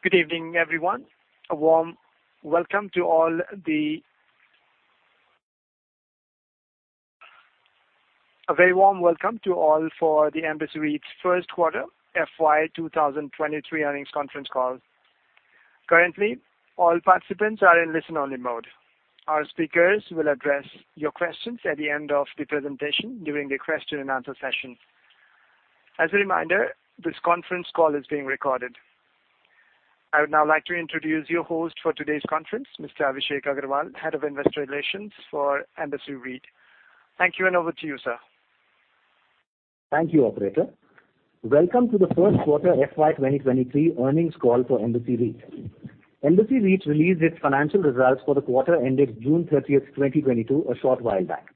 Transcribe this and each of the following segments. Good evening, everyone. A very warm welcome to all for the Embassy REIT's first quarter FY 2023 earnings conference call. Currently, all participants are in listen-only mode. Our speakers will address your questions at the end of the presentation during the question and answer session. As a reminder, this conference call is being recorded. I would now like to introduce your host for today's conference, Mr. Abhishek Agarwal, Head of Investor Relations for Embassy REIT. Thank you, and over to you, sir. Thank you, operator. Welcome to the first quarter FY 2023 earnings call for Embassy REIT. Embassy REIT released its financial results for the quarter ending June 30, 2022, a short while back.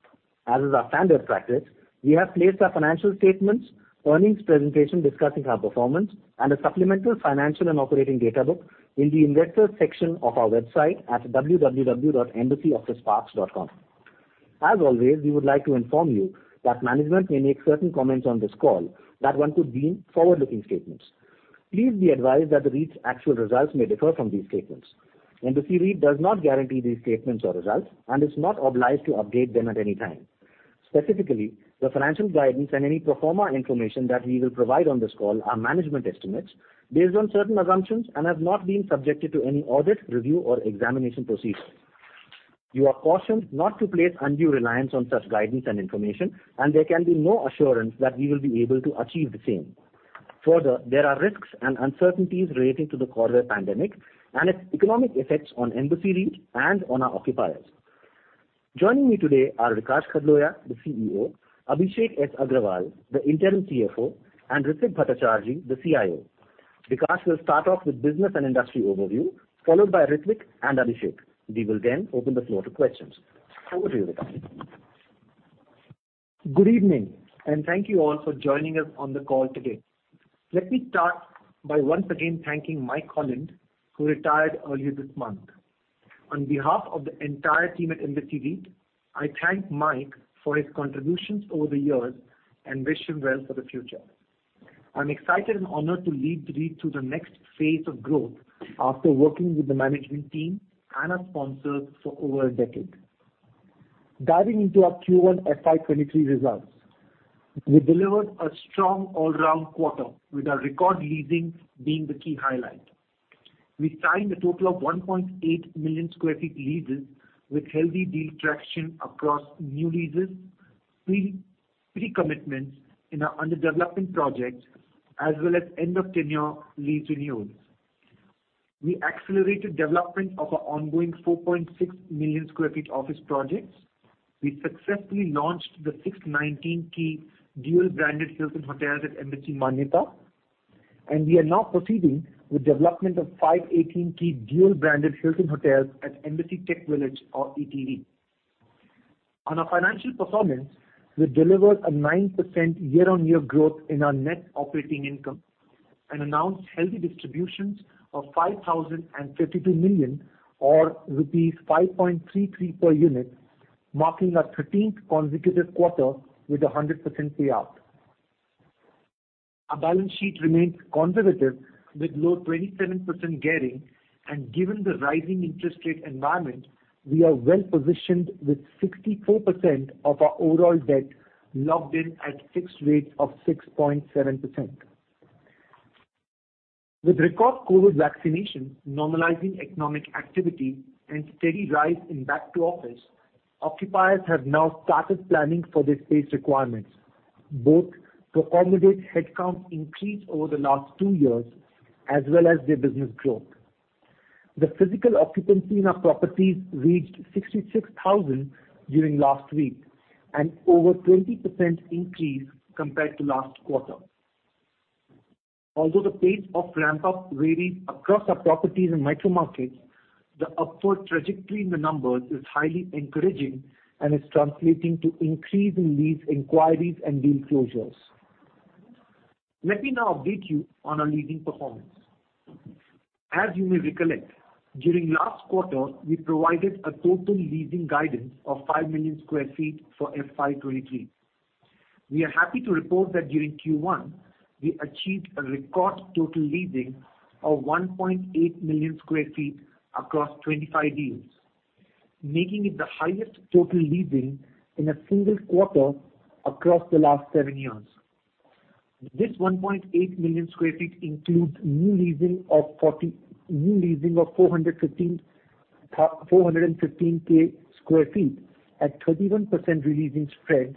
As is our standard practice, we have placed our financial statements, earnings presentation discussing our performance, and a supplemental financial and operating data book in the investors section of our website at www.embassyofficeparks.com. As always, we would like to inform you that management may make certain comments on this call that one could deem forward-looking statements. Please be advised that the REIT's actual results may differ from these statements. Embassy REIT does not guarantee these statements or results and is not obliged to update them at any time. Specifically, the financial guidance and any pro forma information that we will provide on this call are management estimates based on certain assumptions and have not been subjected to any audit, review, or examination procedure. You are cautioned not to place undue reliance on such guidance and information, and there can be no assurance that we will be able to achieve the same. Further, there are risks and uncertainties relating to the COVID pandemic and its economic effects on Embassy REIT and on our occupiers. Joining me today are Vikaash Khdloya, the CEO, Abhishek Agrawal, the interim CFO, and Ritwik Bhattacharjee, the CIO. Vikaash will start off with business and industry overview, followed by Ritwik and Abhishek. We will then open the floor to questions. Over to you, Vikaash. Good evening, and thank you all for joining us on the call today. Let me start by once again thanking Mike Holland, who retired earlier this month. On behalf of the entire team at Embassy REIT, I thank Mike for his contributions over the years and wish him well for the future. I'm excited and honored to lead the REIT through the next phase of growth after working with the management team and our sponsors for over a decade. Diving into our Q1 FY 2023 results, we delivered a strong all-round quarter, with our record leasing being the key highlight. We signed a total of 1.8 million sq ft leases with healthy deal traction across new leases, pre-commitments in our under-development projects, as well as end-of-tenure lease renewals. We accelerated development of our ongoing 4.6 million sq ft office projects. We successfully launched the 619-key dual-branded Hilton hotels at Embassy Manyata, and we are now proceeding with development of 518-key dual-branded Hilton hotels at Embassy TechVillage, or ETV. On our financial performance, we delivered a 9% year-on-year growth in our net operating income and announced healthy distributions of 5,052 million, or rupees 5.33 per unit, marking our thirteenth consecutive quarter with a 100% payout. Our balance sheet remains conservative with low 27% gearing. Given the rising interest rate environment, we are well-positioned with 64% of our overall debt locked in at fixed rates of 6.7%. With record COVID vaccinations normalizing economic activity and steady rise in back to office, occupiers have now started planning for their space requirements, both to accommodate headcount increase over the last two years as well as their business growth. The physical occupancy in our properties reached 66,000 during last week, an over 20% increase compared to last quarter. Although the pace of ramp up varied across our properties and micro markets, the upward trajectory in the numbers is highly encouraging and is translating to increase in lease inquiries and deal closures. Let me now update you on our leasing performance. As you may recollect, during last quarter, we provided a total leasing guidance of five million sq ft for FY 2023. We are happy to report that during Q1, we achieved a record total leasing of 1.8 million sq ft across 25 deals, making it the highest total leasing in a single quarter across the last seven years. This 1.8 million sq ft includes new leasing of 415,000 sq ft at 31% re-leasing spreads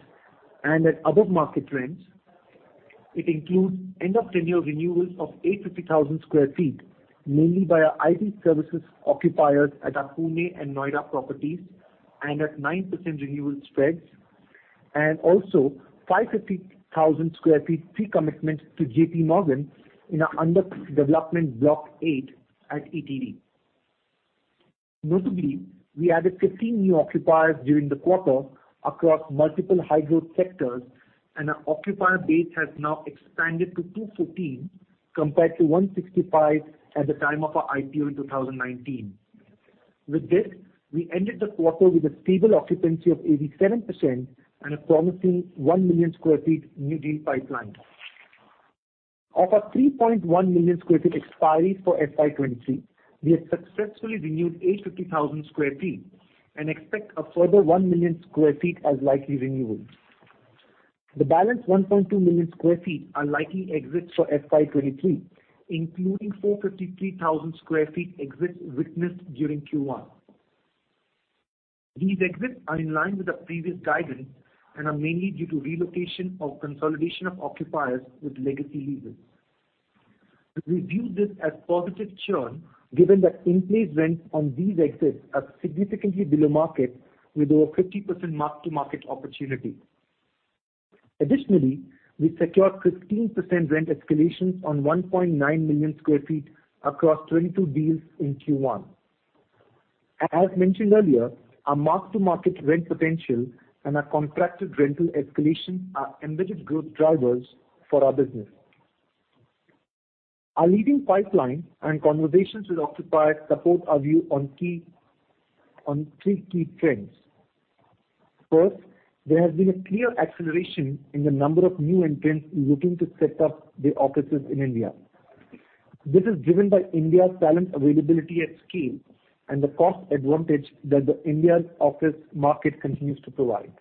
and at above-market rents. It includes end-of-tenure renewals of 850,000 sq ft, mainly by our IT services occupiers at our Pune and Noida properties and at 9% renewal spreads, and also 550,000 sq ft pre-commitment to JPMorgan in our under-development Block 8 at ETV. Notably, we added 15 new occupiers during the quarter across multiple high-growth sectors, and our occupier base has now expanded to 214 compared to 165 at the time of our IPO in 2019. With this, we ended the quarter with a stable occupancy of 87% and a promising one million sq ft new deal pipeline. Of our 3.1 million sq ft expiry for FY 2023, we have successfully renewed 850,000 sq ft and expect a further one million sq ft as likely renewals. The balance 1.2 million sq ft are likely exits for FY 2023, including 453,000 sq ft exits witnessed during Q1. These exits are in line with our previous guidance and are mainly due to relocation or consolidation of occupiers with legacy leases. We view this as positive churn, given that in-place rents on these exits are significantly below market, with over 50% mark-to-market opportunity. Additionally, we secured 15% rent escalations on 1.9 million sq ft across 22 deals in Q1. As mentioned earlier, our mark-to-market rent potential and our contracted rental escalation are embedded growth drivers for our business. Our leading pipeline and conversations with occupiers support our view on three key trends. First, there has been a clear acceleration in the number of new entrants looking to set up their offices in India. This is driven by India's talent availability at scale and the cost advantage that India's office market continues to provide.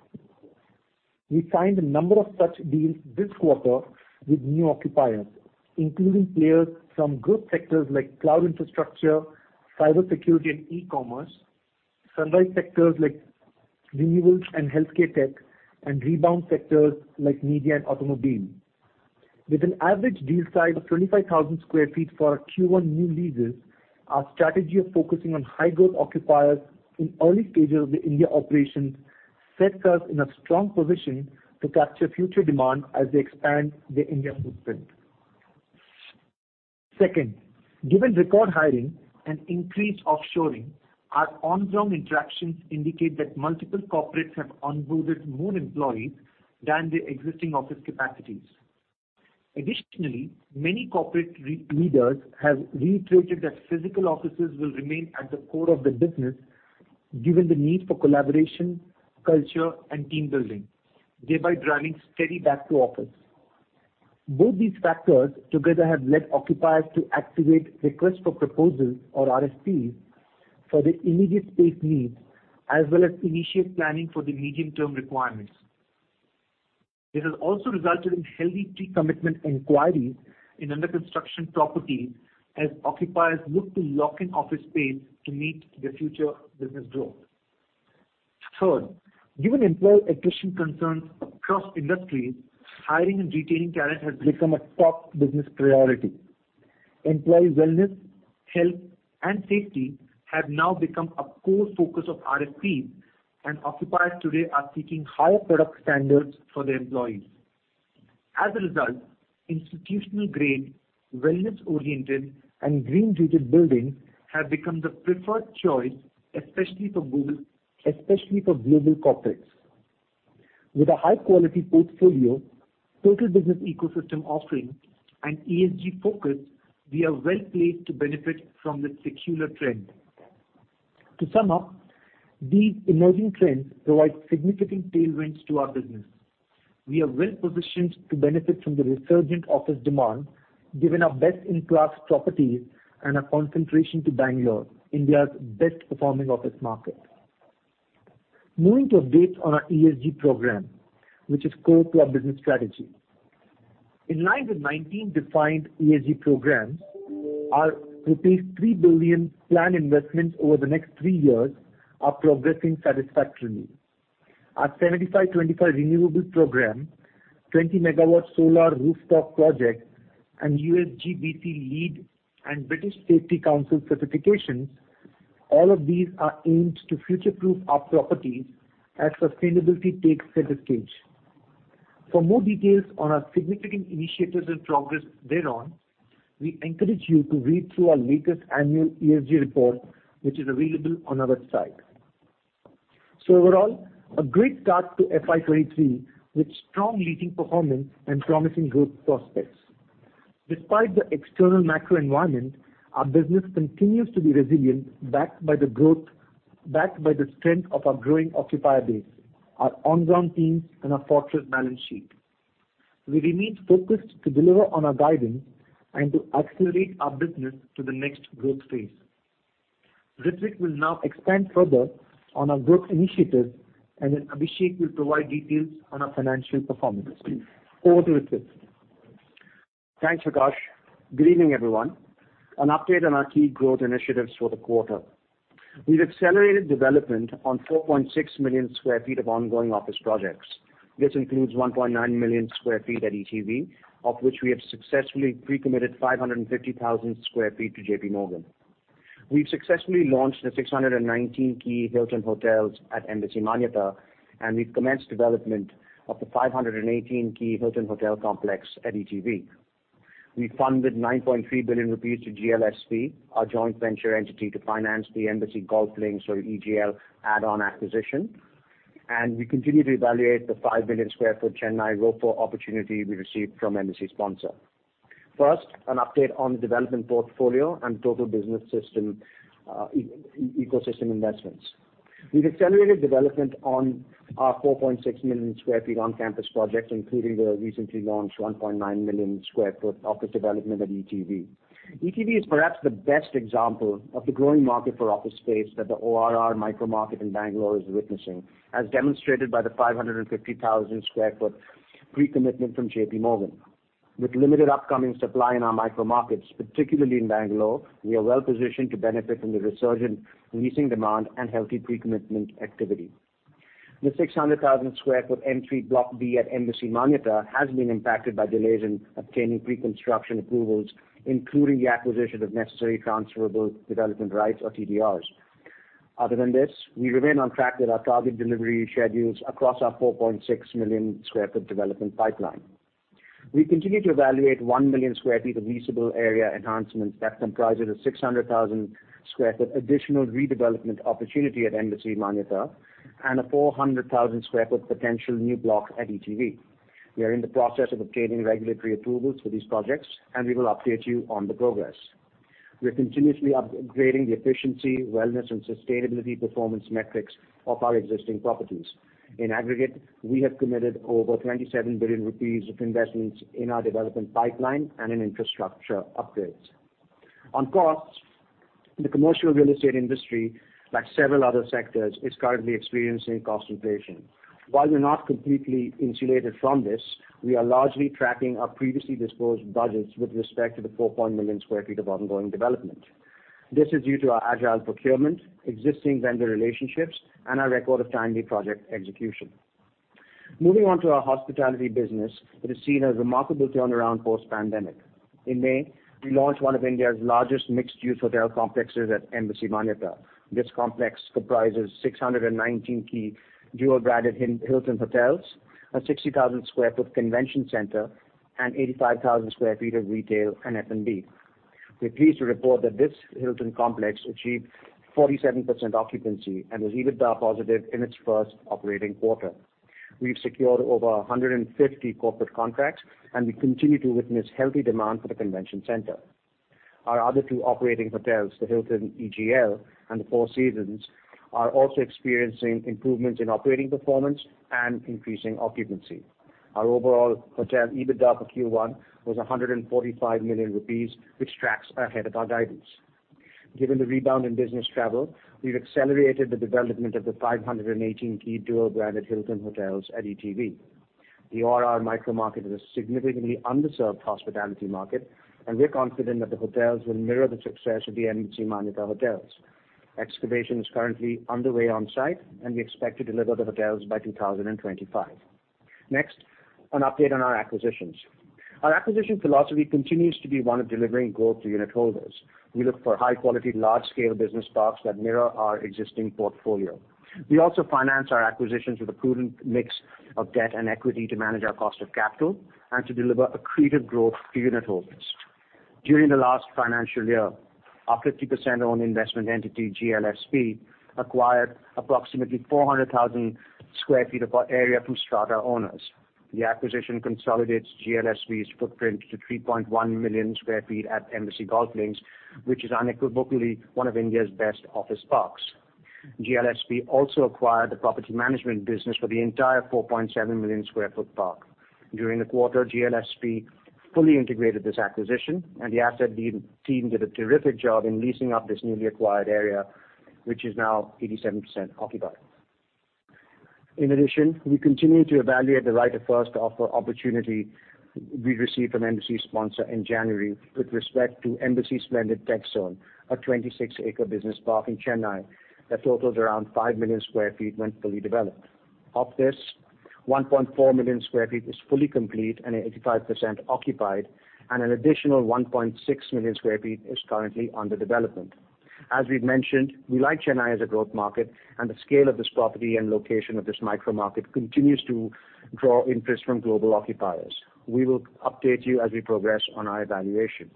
We signed a number of such deals this quarter with new occupiers, including players from growth sectors like cloud infrastructure, cybersecurity, and e-commerce, sunrise sectors like renewables and healthcare tech, and rebound sectors like media and automobile. With an average deal size of 25,000 sq ft for our Q1 new leases, our strategy of focusing on high-growth occupiers in early stages of their India operations sets us in a strong position to capture future demand as they expand their India footprint. Second, given record hiring and increased offshoring, our on-ground interactions indicate that multiple corporates have onboarded more employees than their existing office capacities. Additionally, many corporate leaders have reiterated that physical offices will remain at the core of their business given the need for collaboration, culture, and team building, thereby driving steady back to office. Both these factors together have led occupiers to activate request for proposals or RFPs for their immediate space needs, as well as initiate planning for their medium-term requirements. This has also resulted in healthy pre-commitment inquiries in under-construction properties as occupiers look to lock in office space to meet their future business growth. Third, given employee attrition concerns across industries, hiring and retaining talent has become a top business priority. Employee wellness, health, and safety have now become a core focus of RFPs, and occupiers today are seeking higher product standards for their employees. As a result, institutional-grade, wellness-oriented, and green-rated buildings have become the preferred choice, especially for global corporates. With a high-quality portfolio, total business ecosystem offering, and ESG focus, we are well-placed to benefit from this secular trend. To sum up, these emerging trends provide significant tailwinds to our business. We are well-positioned to benefit from the resurgent office demand given our best-in-class properties and our concentration to Bangalore, India's best performing office market. Moving to updates on our ESG program, which is core to our business strategy. In line with 19 defined ESG programs, our 3 billion planned investments over the next three years are progressing satisfactorily. Our 75/25 renewable program, 20 MW solar rooftop project, and USGBC LEED and British Safety Council certifications, all of these are aimed to future-proof our properties as sustainability takes center stage. For more details on our significant initiatives and progress thereon, we encourage you to read through our latest annual ESG report, which is available on our website. Overall, a great start to FY 2023 with strong leasing performance and promising growth prospects. Despite the external macro environment, our business continues to be resilient, backed by the strength of our growing occupier base, our on-ground teams, and our fortress balance sheet. We remain focused to deliver on our guidance and to accelerate our business to the next growth phase. Ritwik will now expand further on our growth initiatives, and then Abhishek will provide details on our financial performance. Over to Ritwik. Thanks, Vikaash. Good evening, everyone. An update on our key growth initiatives for the quarter. We've accelerated development on 4.6 million sq ft of ongoing office projects. This includes 1.9 million sq ft at ETV, of which we have successfully pre-committed 550,000 sq ft to JPMorgan. We've successfully launched the 619-key Hilton hotels at Embassy Manyata, and we've commenced development of the 518-key Hilton hotel complex at ETV. We funded 9.3 billion rupees to GLSP, our joint venture entity to finance the Embassy Golf Links or EGL add-on acquisition. We continue to evaluate the five million sq ft Chennai ROFO opportunity we received from Embassy Sponsor. First, an update on the development portfolio and total business system, ecosystem investments. We've accelerated development on our 4.6 million sq ft on-campus projects, including the recently launched 1.9 million sq ft office development at ETV. ETV is perhaps the best example of the growing market for office space that the ORR micro market in Bangalore is witnessing, as demonstrated by the 550,000 sq ft pre-commitment from JPMorgan. With limited upcoming supply in our micro markets, particularly in Bangalore, we are well-positioned to benefit from the resurgent leasing demand and healthy pre-commitment activity. The 600,000 sq ft M3 Block B at Embassy Manyata has been impacted by delays in obtaining pre-construction approvals, including the acquisition of necessary transferable development rights or TDRs. Other than this, we remain on track with our target delivery schedules across our 4.6 million sq ft development pipeline. We continue to evaluate one million sq ft of leasable area enhancements that comprises a 600,000 sq ft additional redevelopment opportunity at Embassy Manyata, and a 400,000 sq ft potential new block at ETV. We are in the process of obtaining regulatory approvals for these projects, and we will update you on the progress. We are continuously upgrading the efficiency, wellness, and sustainability performance metrics of our existing properties. In aggregate, we have committed over 27 billion rupees of investments in our development pipeline and in infrastructure upgrades. On costs, the commercial real estate industry, like several other sectors, is currently experiencing cost inflation. While we're not completely insulated from this, we are largely tracking our previously disclosed budgets with respect to the 4.1 million sq ft of ongoing development. This is due to our agile procurement, existing vendor relationships, and our record of timely project execution. Moving on to our hospitality business, it has seen a remarkable turnaround post-pandemic. In May, we launched one of India's largest mixed-use hotel complexes at Embassy Manyata. This complex comprises 619-key dual-branded Hilton-Hilton hotels, a 60,000-sq-ft convention center, and 85,000 sq ft of retail and F&B. We're pleased to report that this Hilton complex achieved 47% occupancy and was EBITDA positive in its first operating quarter. We've secured over 150 corporate contracts, and we continue to witness healthy demand for the convention center. Our other two operating hotels, the Hilton EGL and the Four Seasons, are also experiencing improvements in operating performance and increasing occupancy. Our overall hotel EBITDA for Q1 was 145 million rupees, which tracks ahead of our guidance. Given the rebound in business travel, we've accelerated the development of the 518-key dual-branded Hilton hotels at ETV. The ORR micro market is a significantly underserved hospitality market, and we're confident that the hotels will mirror the success of the Embassy Manyata hotels. Excavation is currently underway on site, and we expect to deliver the hotels by 2025. Next, an update on our acquisitions. Our acquisition philosophy continues to be one of delivering growth to unitholders. We look for high quality, large scale business parks that mirror our existing portfolio. We also finance our acquisitions with a prudent mix of debt and equity to manage our cost of capital and to deliver accretive growth to unitholders. During the last financial year, our 50% owned investment entity, GLSP, acquired approximately 400,000 sq ft of area from strata owners. The acquisition consolidates GLSP's footprint to 3.1 million sq ft at Embassy Golf Links, which is unequivocally one of India's best office parks. GLSP also acquired the property management business for the entire 4.7-million-sq-ft park. During the quarter, GLSP fully integrated this acquisition, and the asset lead team did a terrific job in leasing up this newly acquired area, which is now 87% occupied. In addition, we continue to evaluate the right of first offer opportunity we received from Embassy Sponsor in January with respect to Embassy TechZone, a 26-acre business park in Chennai that totals around five million sq ft when fully developed. Of this, 1.4 million sq ft is fully complete and 85% occupied, and an additional 1.6 million sq ft is currently under development. As we've mentioned, we like Chennai as a growth market, and the scale of this property and location of this micro market continues to draw interest from global occupiers. We will update you as we progress on our evaluation.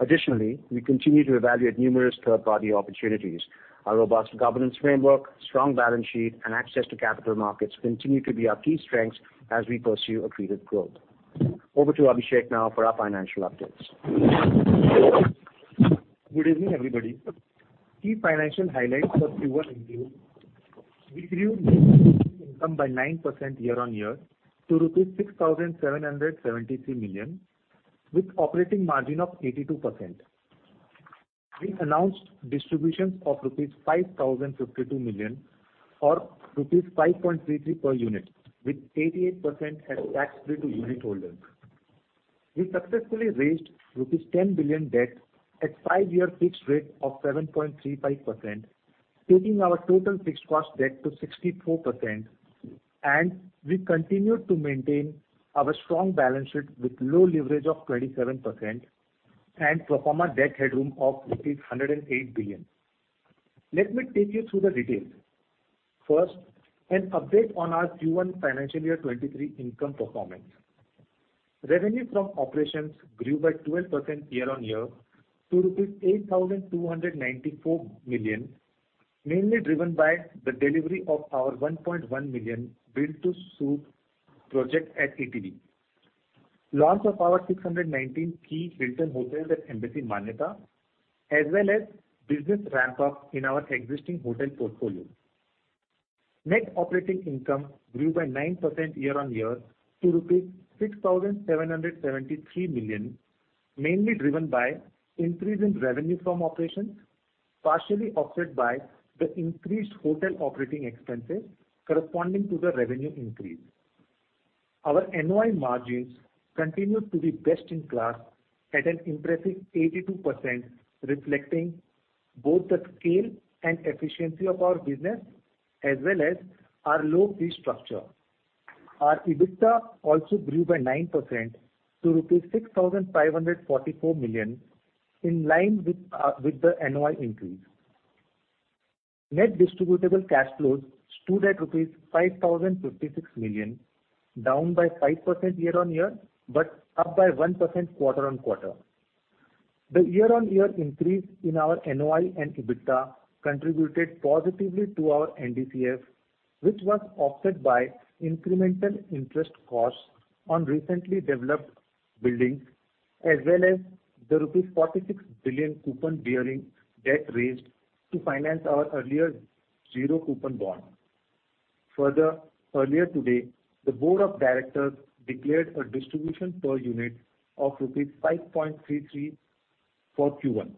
Additionally, we continue to evaluate numerous third-party opportunities. Our robust governance framework, strong balance sheet, and access to capital markets continue to be our key strengths as we pursue accretive growth. Over to Abhishek now for our financial updates. Good evening, everybody. Key financial highlights for Q1 ending here. We grew net income by 9% year on year to rupees 6,773 million, with operating margin of 82%. We announced distributions of rupees 5,052 million, or rupees 5.33 per unit, with 88% as tax free to unitholders. We successfully raised rupees 10 billion debt at five-year fixed rate of 7.35%, taking our total fixed cost debt to 64%. We continue to maintain our strong balance sheet with low leverage of 27% and pro forma debt headroom of 108 billion. Let me take you through the details. First, an update on our Q1 financial year 2023 income performance. Revenue from operations grew by 12% year-on-year to rupees 8,294 million. Mainly driven by the delivery of our 1.1 million build-to-suit project at ETV. Launch of our 619-key Hilton Hotel at Embassy Manyata, as well as business ramp-up in our existing hotel portfolio. Net operating income grew by 9% year-on-year to rupees 6,773 million, mainly driven by increase in revenue from operations, partially offset by the increased hotel operating expenses corresponding to the revenue increase. Our NOI margins continued to be best in class at an impressive 82%, reflecting both the scale and efficiency of our business, as well as our low fee structure. Our EBITDA also grew by 9% to rupees 6,544 million, in line with the NOI increase. Net distributable cash flows stood at rupees 5,056 million, down by 5% year-over-year, but up by 1% quarter-over-quarter. The year-over-year increase in our NOI and EBITDA contributed positively to our NDCF, which was offset by incremental interest costs on recently developed buildings as well as the rupees 46 billion coupon-bearing debt raised to finance our earlier zero coupon bond. Further, earlier today, the board of directors declared a distribution per unit of rupees 5.33 for Q1,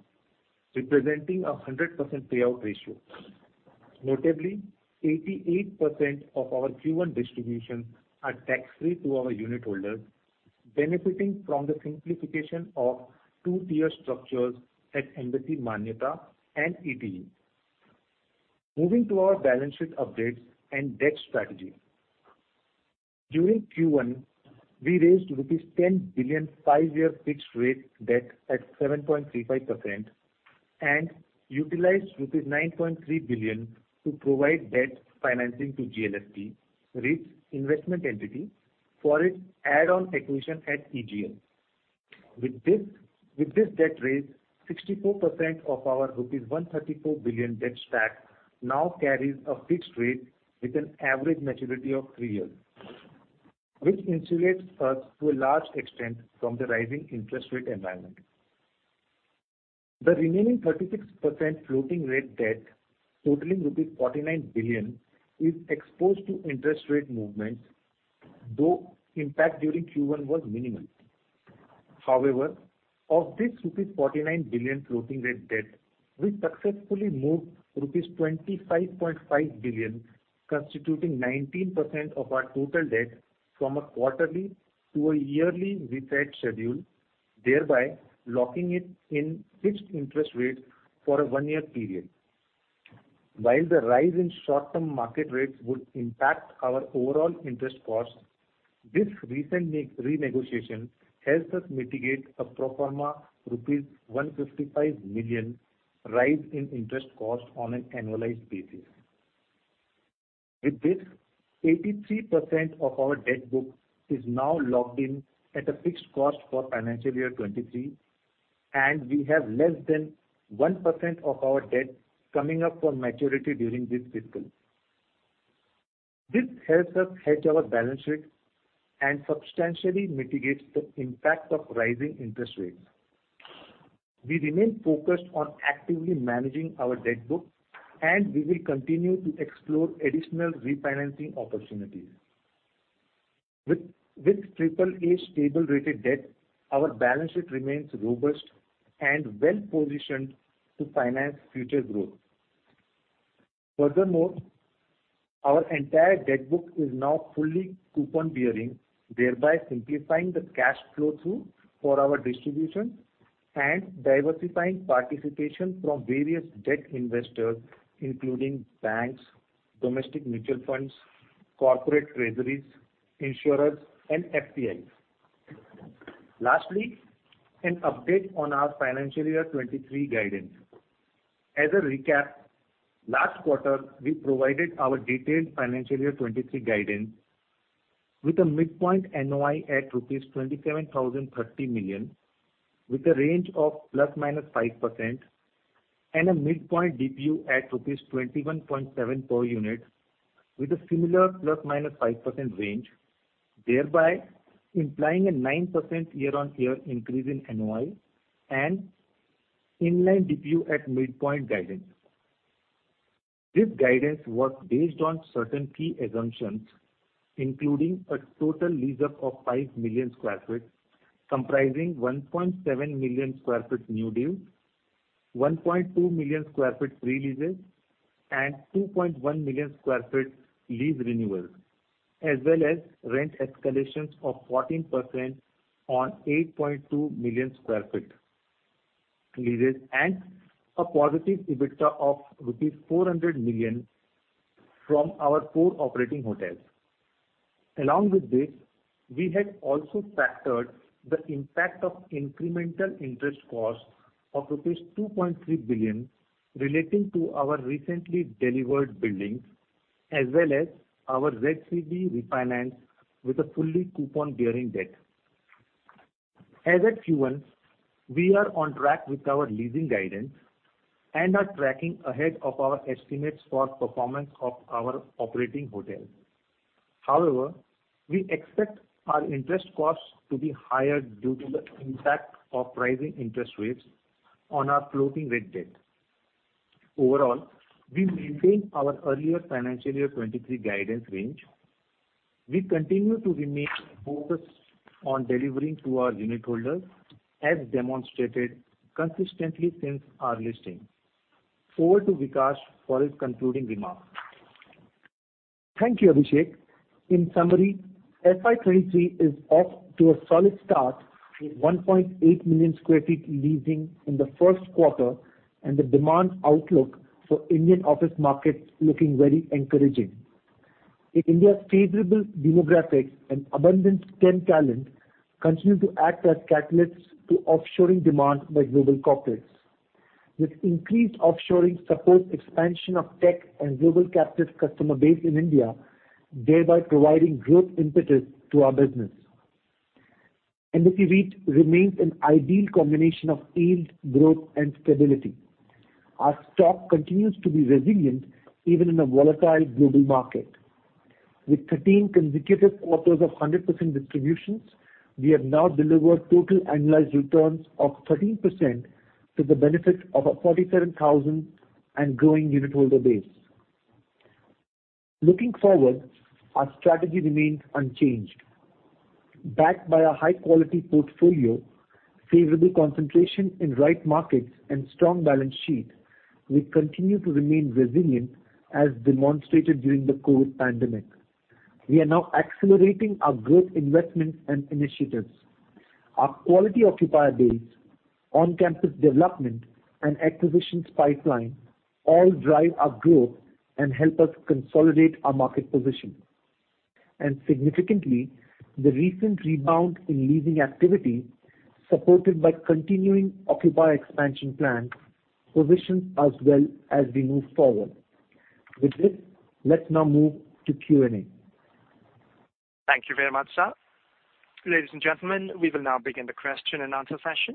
representing a 100% payout ratio. Notably, 88% of our Q1 distributions are tax-free to our unit holders benefiting from the simplification of two-tier structures at Embassy Manyata and ETV. Moving to our balance sheet updates and debt strategy. During Q1, we raised 10 billion rupees five-year fixed rate debt at 7.35% and utilized 9.3 billion to provide debt financing to GLSP REIT's investment entity for its add-on acquisition at EGL. With this debt raise, 64% of our rupees 134 billion debt stack now carries a fixed rate with an average maturity of three years, which insulates us to a large extent from the rising interest rate environment. The remaining 36% floating rate debt, totaling rupees 49 billion, is exposed to interest rate movements, though impact during Q1 was minimal. However, of this rupees 49 billion floating rate debt, we successfully moved rupees 25.5 billion, constituting 19% of our total debt from a quarterly to a yearly reset schedule, thereby locking it in fixed interest rates for a one-year period. While the rise in short-term market rates would impact our overall interest costs, this recent renegotiation helps us mitigate a pro forma rupees 155 million rise in interest costs on an annualized basis. With this, 83% of our debt book is now locked in at a fixed cost for financial year 2023, and we have less than 1% of our debt coming up for maturity during this fiscal. This helps us hedge our balance sheet and substantially mitigates the impact of rising interest rates. We remain focused on actively managing our debt book, and we will continue to explore additional refinancing opportunities. With triple-A stable-rated debt, our balance sheet remains robust and well-positioned to finance future growth. Furthermore, our entire debt book is now fully coupon-bearing, thereby simplifying the cash flow through for our distribution and diversifying participation from various debt investors, including banks, domestic mutual funds, corporate treasuries, insurers, and FPIs. Lastly, an update on our financial year 2023 guidance. As a recap, last quarter, we provided our detailed financial year 2023 guidance with a midpoint NOI at rupees 27,030 million, with a ±5% range and a midpoint DPU at rupees 21.7 per unit with a similar ±5% range, thereby implying a 9% year-on-year increase in NOI and in-line DPU at midpoint guidance. This guidance was based on certain key assumptions, including a total lease up of five million sq ft, comprising 1.7 million sq ft new deals, 1.2 million sq ft re-leases, and 2.1 million sq ft lease renewals, as well as rent escalations of 14% on 8.2 million sq ft leases, and a positive EBITDA of rupees 400 million from our core operating hotels. Along with this, we had also factored the impact of incremental interest costs of rupees 2.3 billion relating to our recently delivered buildings as well as our ZCB refinance with a fully coupon-bearing debt. As at Q1, we are on track with our leasing guidance and are tracking ahead of our estimates for performance of our operating hotels. However, we expect our interest costs to be higher due to the impact of rising interest rates on our floating rate debt. Overall, we maintain our earlier financial year 2023 guidance range. We continue to remain focused on delivering to our unitholders, as demonstrated consistently since our listing. Over to Vikaash for his concluding remarks. Thank you, Abhishek. In summary, FY 2023 is off to a solid start with 1.8 million sq ft leasing in the first quarter and the demand outlook for Indian office market looking very encouraging. India's favorable demographics and abundant STEM talent continue to act as catalysts to offshoring demand by global corporates. This increased offshoring supports expansion of tech and global captive customer base in India, thereby providing growth impetus to our business. Nifty REIT remains an ideal combination of yield, growth, and stability. Our stock continues to be resilient even in a volatile global market. With 13 consecutive quarters of 100% distributions, we have now delivered total annualized returns of 13% to the benefit of our 47,000 and growing unitholder base. Looking forward, our strategy remains unchanged. Backed by a high quality portfolio, favorable concentration in right markets, and strong balance sheet, we continue to remain resilient, as demonstrated during the COVID pandemic. We are now accelerating our growth investments and initiatives. Our quality occupier base, on-campus development, and acquisitions pipeline all drive our growth and help us consolidate our market position. Significantly, the recent rebound in leasing activity, supported by continuing occupier expansion plans, positions us well as we move forward. With this, let's now move to Q&A. Thank you very much, sir. Ladies and gentlemen, we will now begin the question-and-answer session.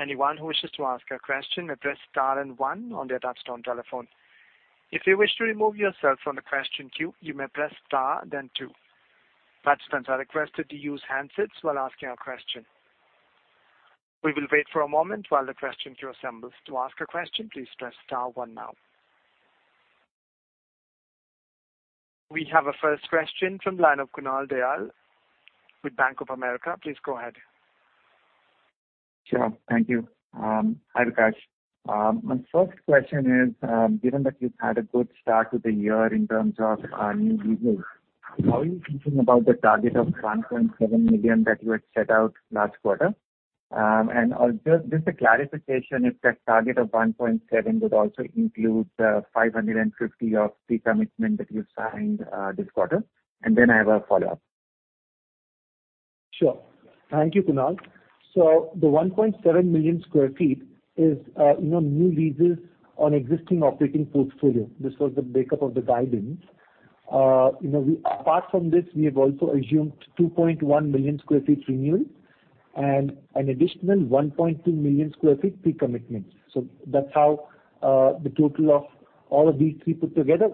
Anyone who wishes to ask a question, press star and one on their touch-tone telephone. If you wish to remove yourself from the question queue, you may press star, then two. Participants are requested to use handsets while asking a question. We will wait for a moment while the question queue assembles. To ask a question, please press star one now. We have a first question from the line of Kunal Tayal with Bank of America. Please go ahead. Sure. Thank you. Hi, Vikaash. My first question is, given that you've had a good start to the year in terms of new business, how are you thinking about the target of 1.7 million that you had set out last quarter? Just a clarification if that target of 1.7 would also include 550 of pre-commitment that you signed this quarter. Then I have a follow-up. Thank you, Kunal. The 1.7 million sq ft is, you know, new leases on existing operating portfolio. This was the breakup of the guidance. You know, apart from this, we have also assumed 2.1 million sq ft renewal and an additional 1.2 million sq ft pre-commitment. That's how the total of all of these three put together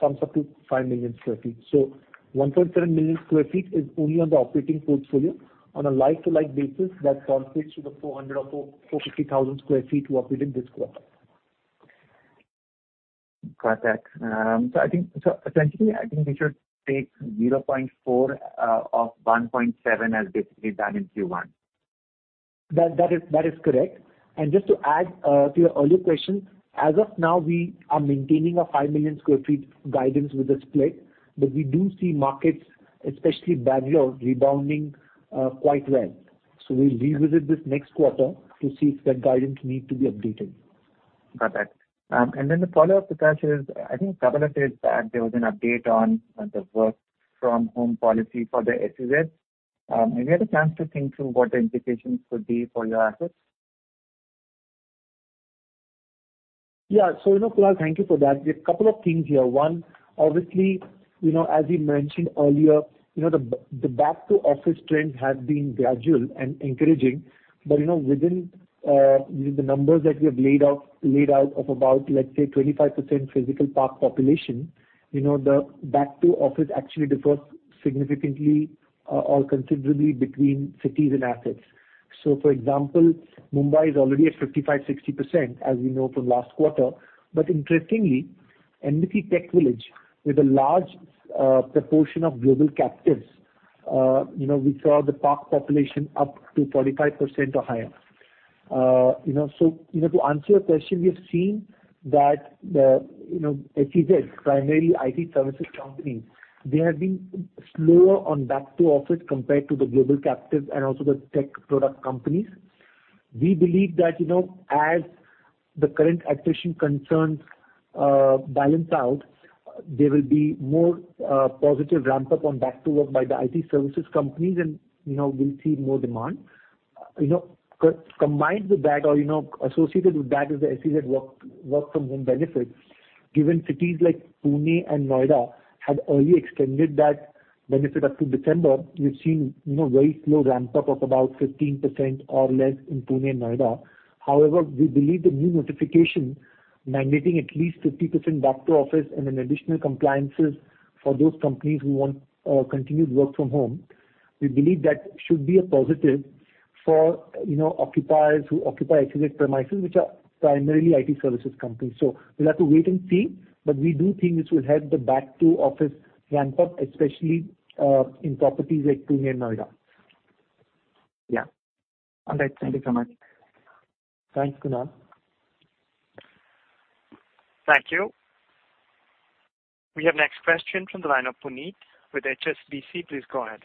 sums up to 5 million sq ft. 1.7 million sq ft is only on the operating portfolio. On a like-for-like basis, that translates to the 400 or 450 thousand sq ft we operated this quarter. Got that. Essentially, I think we should take 0.4 of 1.7 as basically done in Q1. That is correct. Just to add to your earlier question, as of now, we are maintaining a five million sq ft guidance with a split, but we do see markets, especially Bangalore, rebounding quite well. We'll revisit this next quarter to see if that guidance need to be updated. Got that. The follow-up, Vikaash, is, I think Kavala said that there was an update on the work from home policy for the SEZ. Have you had a chance to think through what the implications could be for your assets? Yeah, you know, Kunal, thank you for that. There are a couple of things here. One, obviously, you know, as we mentioned earlier, you know, the back to office trend has been gradual and encouraging. You know, within the numbers that we have laid out of about, let's say, 25% physical park population, you know, the back to office actually differs significantly or considerably between cities and assets. For example, Mumbai is already at 55%-60%, as we know from last quarter. Interestingly, Embassy TechVillage, with a large proportion of global captives, you know, we saw the park population up to 45% or higher. You know, to answer your question, we have seen that the, you know, SEZ, primarily IT services companies, they have been slower on back to office compared to the global captives and also the tech product companies. We believe that, you know, as the current attrition concerns balance out, there will be more positive ramp-up on back to work by the IT services companies and, you know, we'll see more demand. You know, combined with that or, you know, associated with that is the SEZ work from home benefits. Given cities like Pune and Noida have already extended that benefit up to December. We've seen, you know, very slow ramp up of about 15% or less in Pune and Noida. However, we believe the new notification mandating at least 50% back to office and an additional compliances for those companies who want continued work from home, we believe that should be a positive for, you know, occupiers who occupy X+ premises, which are primarily IT services companies. We'll have to wait and see, but we do think this will help the back to office ramp up, especially in properties like Pune and Noida. Yeah. All right. Thank you so much. Thanks, Kunal. Thank you. We have next question from the line of Puneet with HSBC. Please go ahead.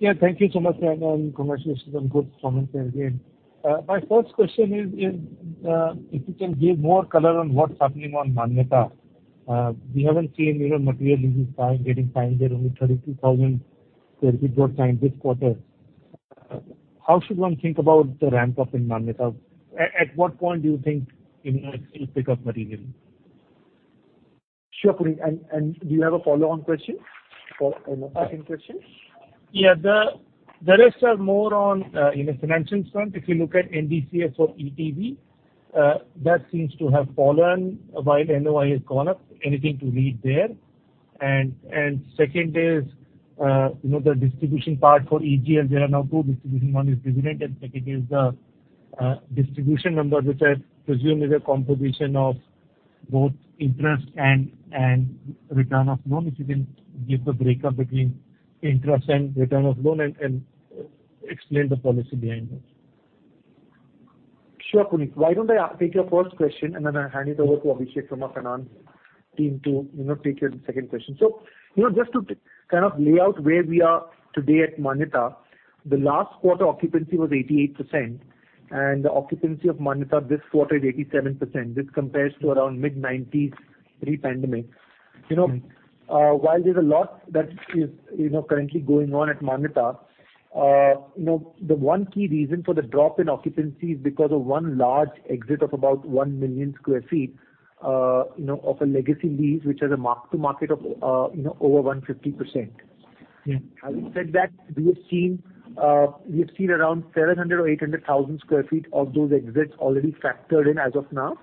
Yeah, thank you so much. Congratulations on good comments there again. My first question is if you can give more color on what's happening on Manyata. We haven't seen even materially this time getting signed there, only 32,000 sq ft got signed this quarter. How should one think about the ramp up in Manyata? At what point do you think, you know, it will pick up materially? Sure, Puneet. Do you have a follow-on question or a second question? Yeah. The rest are more on, you know, financial front. If you look at NDCF for ETV, that seems to have fallen while NOI has gone up. Anything to read there? Second is, you know, the distribution part for EGL. There are now two distribution. One is dividend and second is the distribution number, which I presume is a combination of both interest and return of loan. If you can give the breakup between interest and return of loan and explain the policy behind it. Sure, Puneet. Why don't I take your first question, and then I'll hand it over to Abhishek from our finance team to, you know, take your second question. You know, just to kind of lay out where we are today at Manyata, the last quarter occupancy was 88%, and the occupancy of Manyata this quarter is 87%. This compares to around mid-90s pre-pandemic. You know, while there's a lot that is, you know, currently going on at Manyata, you know, the one key reason for the drop in occupancy is because of one large exit of about one million sq ft, you know, of a legacy lease, which has a mark-to-market of, you know, over 150%. Yeah. Having said that, we have seen around 700,000 or 800,000 sq ft of those exits already factored in as of now,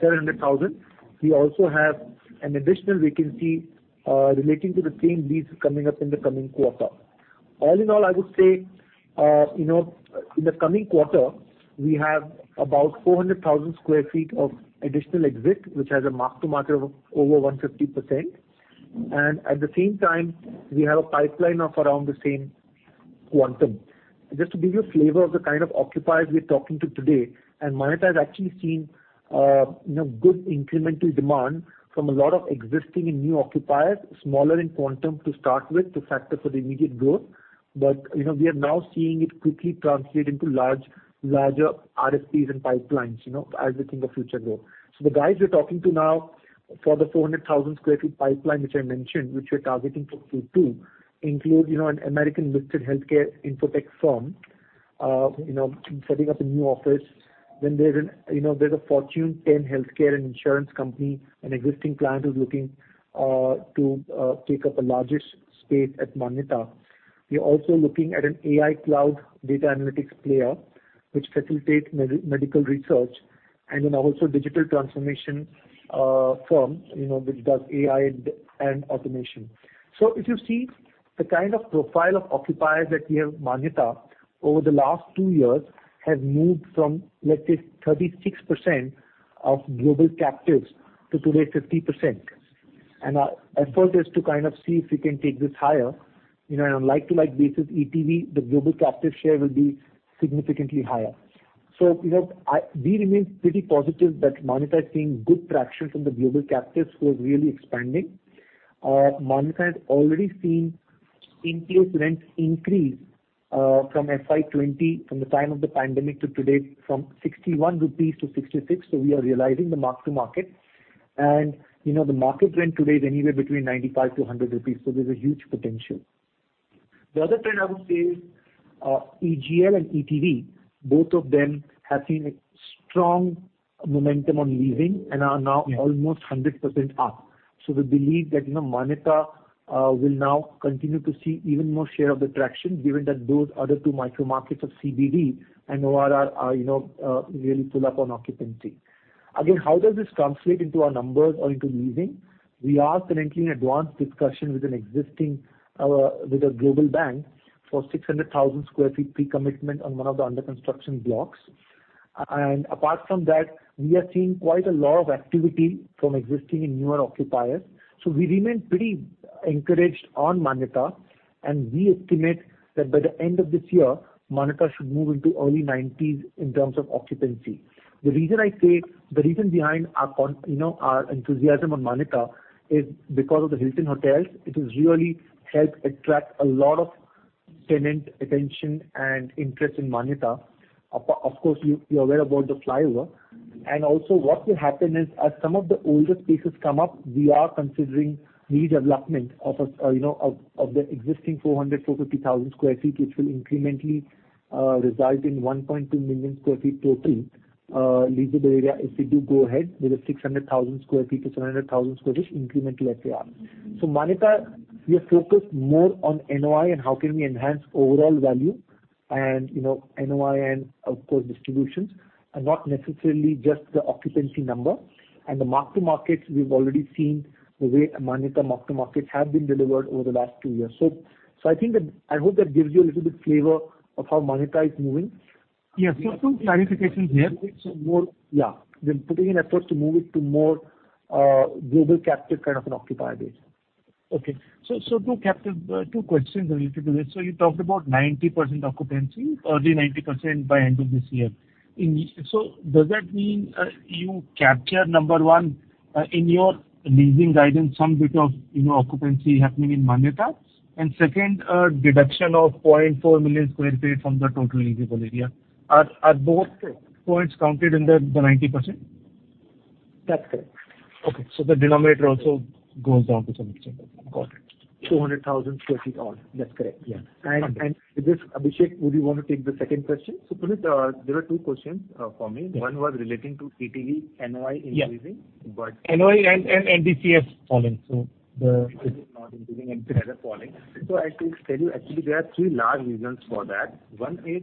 700,000. We also have an additional vacancy relating to the same lease coming up in the coming quarter. All in all, I would say, you know, in the coming quarter, we have about 400 thousand sq ft of additional exit, which has a mark-to-market of over 150%. At the same time, we have a pipeline of around the same quantum. Just to give you a flavor of the kind of occupiers we're talking to today, and Manyata has actually seen, you know, good incremental demand from a lot of existing and new occupiers, smaller in quantum to start with to factor for the immediate growth. You know, we are now seeing it quickly translate into large, larger RFPs and pipelines, you know, as we think of future growth. The guys we're talking to now for the 200,000 sq ft pipeline, which I mentioned, which we're targeting for Q2, include, you know, an American-listed healthcare info tech firm, you know, setting up a new office. There's a Fortune 10 healthcare and insurance company, an existing client who's looking to take up a larger space at Manyata. We're also looking at an AI cloud data analytics player, which facilitates medical research, and then also digital transformation firm, you know, which does AI and automation. If you see the kind of profile of occupiers that we have Manyata over the last two years has moved from, let's say, 36% of global captives to today, 50%. Our effort is to kind of see if we can take this higher. You know, on a like-for-like basis ETV, the global captive share will be significantly higher. You know, we remain pretty positive that Manyata is seeing good traction from the global captives who are really expanding. Manyata has already seen in-place rents increase from FY 2020, from the time of the pandemic to today, from 61-66 rupees. We are realizing the mark-to-market. You know, the market rent today is anywhere between 95-100 rupees. There's a huge potential. The other trend I would say is, EGL and ETV, both of them have seen a strong momentum on leasing and are now almost 100% up. We believe that, you know, Manyata will now continue to see even more share of the traction given that those other two micro markets of CBD and ORR are, you know, really pull up on occupancy. Again, how does this translate into our numbers or into leasing? We are currently in advanced discussion with a global bank for 600,000 sq ft pre-commitment on one of the under construction blocks. Apart from that, we are seeing quite a lot of activity from existing and newer occupiers. We remain pretty encouraged on Manyata, and we estimate that by the end of this year, Manyata should move into early 90s in terms of occupancy. The reason behind our enthusiasm on Manyata is because of the Hilton Hotels. It has really helped attract a lot of tenant attention and interest in Manyata. Of course, you're aware about the flyover. Also what will happen is as some of the older spaces come up, we are considering redevelopment of the existing 400,000-450,000 sq ft, which will incrementally result in 1.2 million sq ft total leasable area if we do go ahead with the 600,000 sq ft-700,000 sq ft incremental FAR. Manyata, we are focused more on NOI and how can we enhance overall value and NOI and of course distributions, and not necessarily just the occupancy number. The mark-to-markets, we've already seen the way Manyata mark-to-markets have been delivered over the last two years. So I think that I hope that gives you a little bit flavor of how Manyata is moving. Yes. Two clarifications here. We're putting in efforts to move it to more global captive kind of an occupier base. Okay. Two questions related to this. You talked about nearly 90% occupancy by end of this year. Does that mean you capture, number one, in your leasing guidance, some bit of, you know, occupancy happening in Manyata? And second, deduction of 0.4 million sq ft from the total leasable area. Are both points counted in the 90%? That's correct. Okay. The denominator also goes down to some extent. Got it. 200,000 sq ft odd. That's correct. Yeah. Abhishek, would you wanna take the second question? Puneet, there are two questions for me. Yeah. One was relating to CTE NOI increasing. NOI and NDCF falling. NOI is not increasing and NDCF falling. I think I'll tell you actually there are three large reasons for that. One is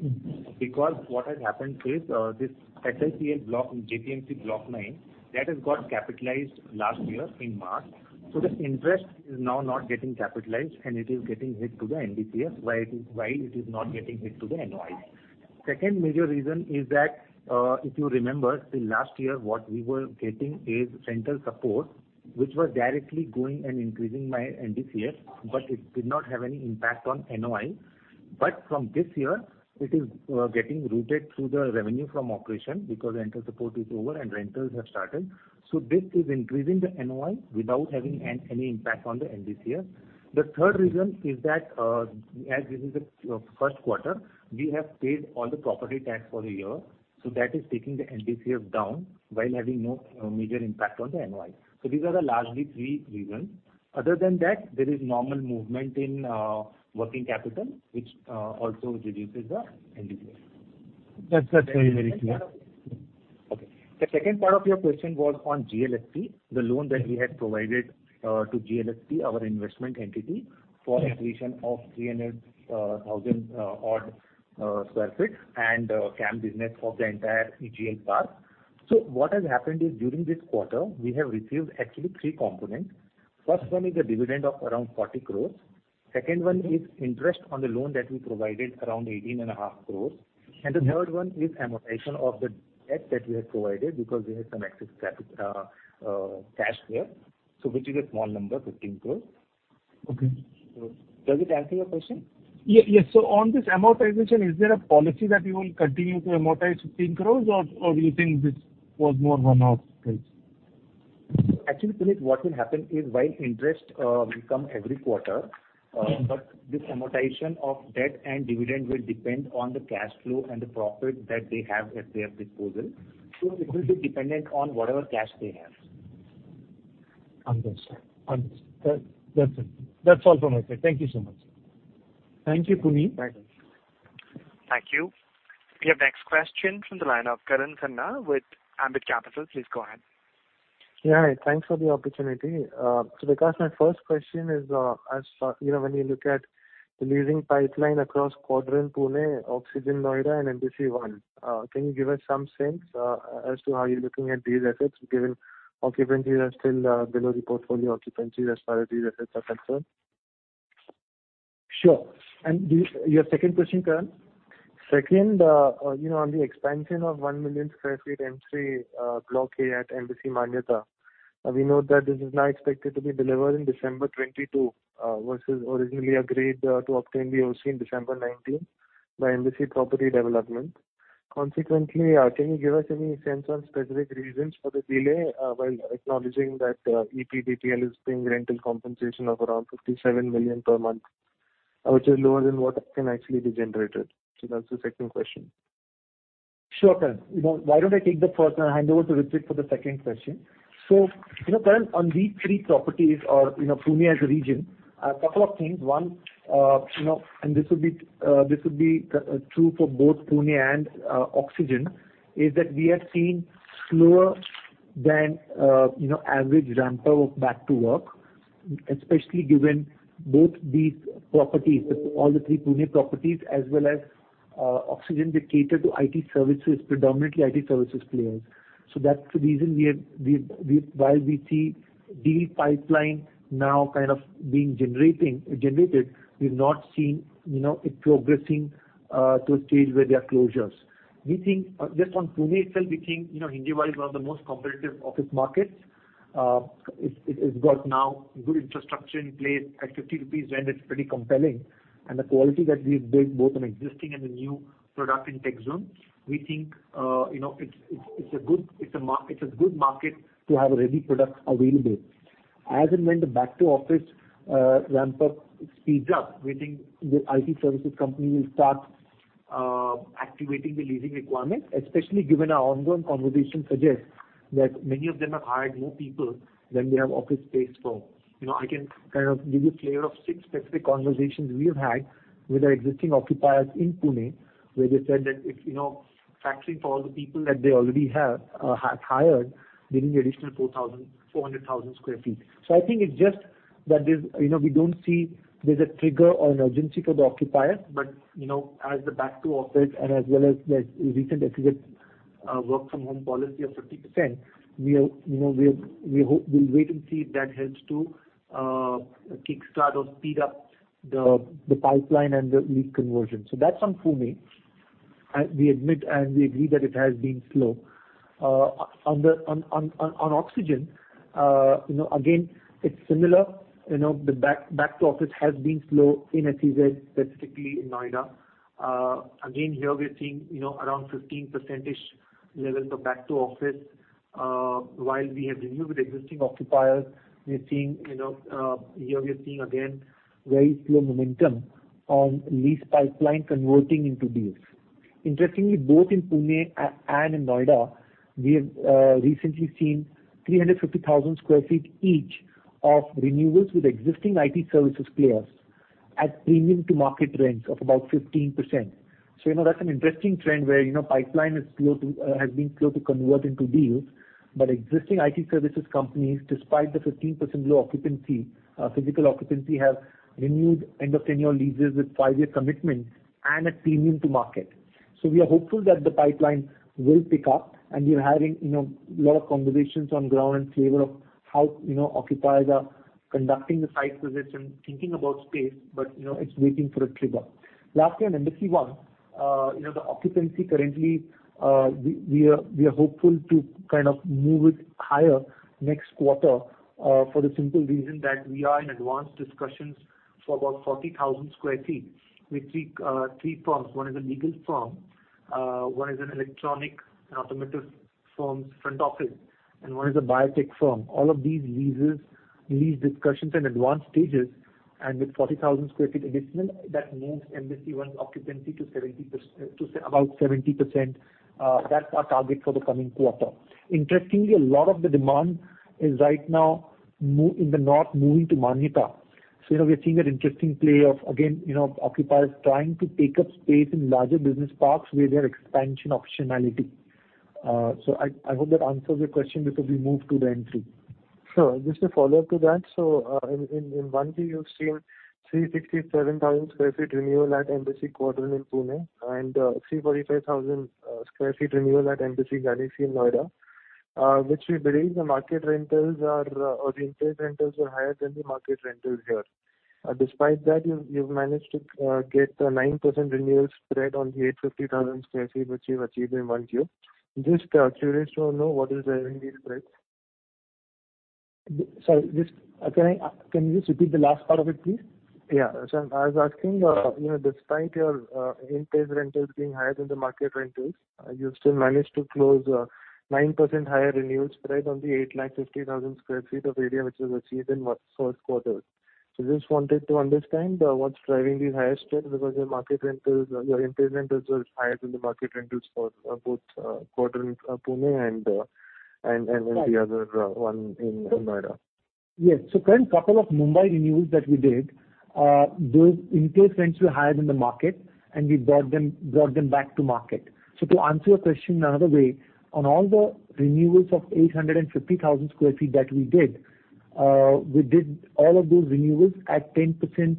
because what has happened is, this SIPL block, JPNC Block Nine, that has got capitalized last year in March. This interest is now not getting capitalized, and it is getting hit to the NDCF, while it is not getting hit to the NOI. Second major reason is that, if you remember, till last year, what we were getting is rental support, which was directly going and increasing my NDCF, but it did not have any impact on NOI. From this year, it is getting routed through the revenue from operations because the rental support is over and rentals have started. This is increasing the NOI without having any impact on the NDCF. The third reason is that, as this is the first quarter, we have paid all the property tax for the year. That is taking the NDCF down while having no major impact on the NOI. These are largely the three reasons. Other than that, there is normal movement in working capital, which also reduces the NDCF. That's very clear. Okay. The second part of your question was on GLSP, the loan that we had provided to GLSP, our investment entity. Yeah For acquisition of 300,000-odd sq ft and CAM business for the entire EGL park, so what has happened is during this quarter, we have received actually three components. First one is a dividend of around 40 crore. Second one is interest on the loan that we provided around 18.5 crore and the third one is amortization of the debt that we have provided because we had some excess cash there, so which is a small number, 15 crore. Okay. Does it answer your question? Yeah. Yes. On this amortization, is there a policy that you will continue to amortize 15 crore or you think this was more one-off case? Actually, Puneet, what will happen is while interest will come every quarter. Mm-hmm This amortization of debt and dividend will depend on the cash flow and the profit that they have at their disposal. It will be dependent on whatever cash they have. Understood. That's it. That's all from my side. Thank you so much. Thank you, Puneet. Thank you. Thank you. Your next question from the line of Karan Khanna with Ambit Capital. Please go ahead. Yeah. Thanks for the opportunity. Vikaash, my first question is, as you know, when you look at the leasing pipeline across Quadron Pune, Oxygen Noida, and Embassy One, can you give us some sense as to how you're looking at these assets, given occupancies are still below the portfolio occupancies as far as these assets are concerned? Sure. Your second question, Karan? Second, you know, on the expansion of one million sq ft M3 Block A at Embassy Manyata. We know that this is now expected to be delivered in December 2022 versus originally agreed to obtain the OC in December 2019 by Embassy Property Developments Private Limited. Consequently, can you give us any sense on specific reasons for the delay while acknowledging that EPDPL is paying rental compensation of around 57 million per month, which is lower than what can actually be generated. That's the second question. Sure, Karan. You know, why don't I take the first and hand over to Ritwik for the second question? You know, Karan, on these three properties or, you know, Pune as a region, a couple of things. One, you know, and this would be, this would be true for both Pune and Oxygen, is that we have seen slower than, you know, average ramp up of back to work, especially given both these properties, all the three Pune properties as well as Oxygen, they cater to IT services, predominantly IT services players. That's the reason we have, while we see deal pipeline now kind of being generated, we've not seen, you know, it progressing to a stage where there are closures. We think just on Pune itself, we think Hinjewadi is one of the most competitive office markets. It's got now good infrastructure in place. At 50 rupees rent, it's pretty compelling. The quality that we've built both on existing and the new product in TechZone, we think it's a good market to have a ready product available. As and when the back to office ramp up speeds up, we think the IT services company will start activating the leasing requirements, especially given our ongoing conversation suggests that many of them have hired more people than they have office space for. You know, I can kind of give you a flavor of six specific conversations we have had with our existing occupiers in Pune, where they said that if, you know, factoring for all the people that they already have have hired, they need additional 400,000 sq ft. I think it's just that there's. You know, we don't see there's a trigger or an urgency for the occupier. You know, as the back to office and as well as the recent SEZ work from home policy of 50%, we hope we'll wait and see if that helps to kickstart or speed up the pipeline and the lead conversion. That's on Pune. We admit and we agree that it has been slow. On Oxygen, you know, again, it's similar. You know, the back to office has been slow in SEZ, specifically in Noida. Again, here we're seeing, you know, around 15%-ish levels of back to office. While we have renewed with existing occupiers, we're seeing, you know, here we are seeing again very slow momentum on lease pipeline converting into deals. Interestingly, both in Pune and in Noida, we have recently seen 350,000 sq ft each of renewals with existing IT services players at premium to market rents of about 15%. You know, that's an interesting trend where, you know, pipeline has been slow to convert into deals. Existing IT services companies, despite the 15% low occupancy, physical occupancy, have renewed end of tenure leases with five-year commitments and at premium to market. We are hopeful that the pipeline will pick up, and we are having, you know, a lot of conversations on ground and flavor of how, you know, occupiers are conducting the site visits and thinking about space. It's waiting for a trigger. Lastly, on Embassy One, you know, the occupancy currently, we are hopeful to kind of move it higher next quarter, for the simple reason that we are in advanced discussions for about 40,000 sq ft with three firms. One is a legal firm, one is an electronic and automotive firm's front office, and one is a biotech firm. All of these leases, lease discussions in advanced stages. With 40,000 sq ft additional, that moves Embassy One's occupancy to 70%, to about 70%. That's our target for the coming quarter. Interestingly, a lot of the demand is right now in the north moving to Manyata. You know, we are seeing an interesting play of, again, you know, occupiers trying to take up space in larger business parks where there are expansion optionality. I hope that answers your question because we moved to the M3. Sure. Just a follow-up to that. In 1Q, you've seen 367,000 sq ft renewal at Embassy Quadron in Pune and 345,000 sq ft renewal at Embassy Oxygen in Noida, which we believe the market rentals are, or the in-place rentals are higher than the market rentals here. Despite that, you've managed to get a 9% renewal spread on the 850,000 sq ft which you've achieved in 1Q. Just curious to know what is driving these spreads? Can you just repeat the last part of it, please? Yeah. I was asking, you know, despite your in-place rentals being higher than the market rentals, you've still managed to close 9% higher renewals spread on the 850,000 sq ft of area which was achieved in first quarter. I just wanted to understand what's driving these higher spreads because your market rentals, your in-place rentals were higher than the market rentals for both Quadron, Pune and the other one in Noida. Yes. Current couple of Mumbai renewals that we did, those in-place rents were higher than the market, and we brought them back to market. To answer your question another way, on all the renewals of 850,000 sq ft that we did, we did all of those renewals at 10%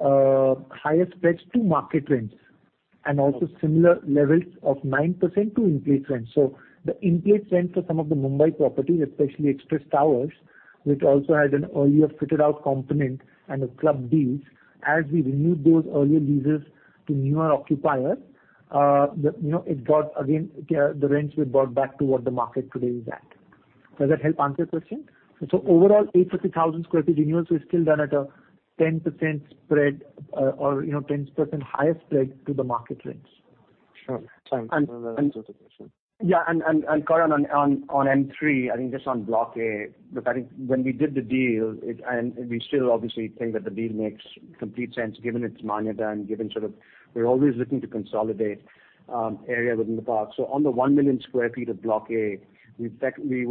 higher spreads to market rents, and also similar levels of 9% to in-place rents. The in-place rents for some of the Mumbai properties, especially Express Towers, which also had an earlier fitted out component and a club deals, as we renewed those earlier leases to newer occupiers, you know, it got again, the rents were brought back to what the market today is at. Does that help answer your question? Overall, 850,000 sq ft renewals were still done at a 10% spread, or, you know, 10% higher spread to the market rents. Sure. Thanks. And, and- That answers the question. Yeah. Karan, on M3, I think just on Block A, look, I think when we did the deal, it, and we still obviously think that the deal makes complete sense given it's Manyata and given sort of we're always looking to consolidate area within the park. On the one million sq ft of Block A, it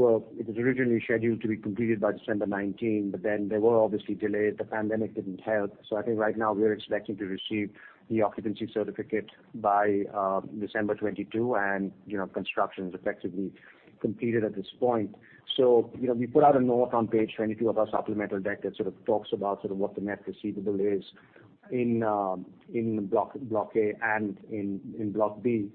was originally scheduled to be completed by December 2019, but then there were obviously delays. The pandemic didn't help. I think right now we are expecting to receive the occupancy certificate by December 2022. You know, construction's effectively completed at this point. You know, we put out a note on page 22 of our supplemental deck that sort of talks about sort of what the net receivable is in Block A and in Block B.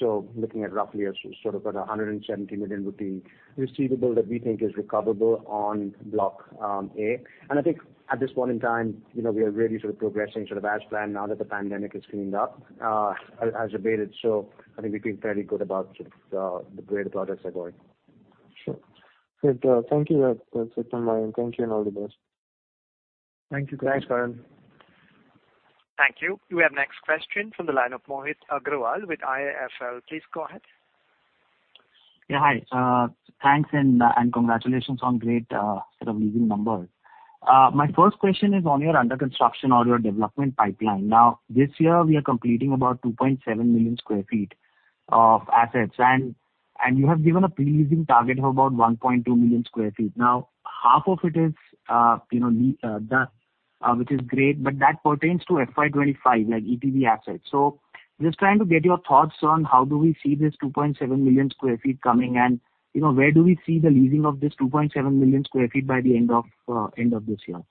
Looking at roughly 170 million rupee receivable that we think is recoverable on Block A. I think at this point in time, you know, we are really sort of progressing sort of as planned now that the pandemic has abated. I think we feel fairly good about sort of the way the projects are going. Sure. Good. Thank you. That's it from my end. Thank you and all the best. Thank you. Thanks, Karan. Thank you. We have next question from the line of Mohit Agrawal with IIFL. Please go ahead. Yeah, hi. Thanks and congratulations on great set of leasing numbers. My first question is on your under construction or your development pipeline. Now, this year we are completing about 2.7 million sq ft of assets and you have given a pre-leasing target of about 1.2 million sq ft. Now, half of it is, you know, done, which is great, but that pertains to FY 2025, like ETV assets. Just trying to get your thoughts on how do we see this 2.7 million sq ft coming, and, you know, where do we see the leasing of this 2.7 million sq ft by the end of this year?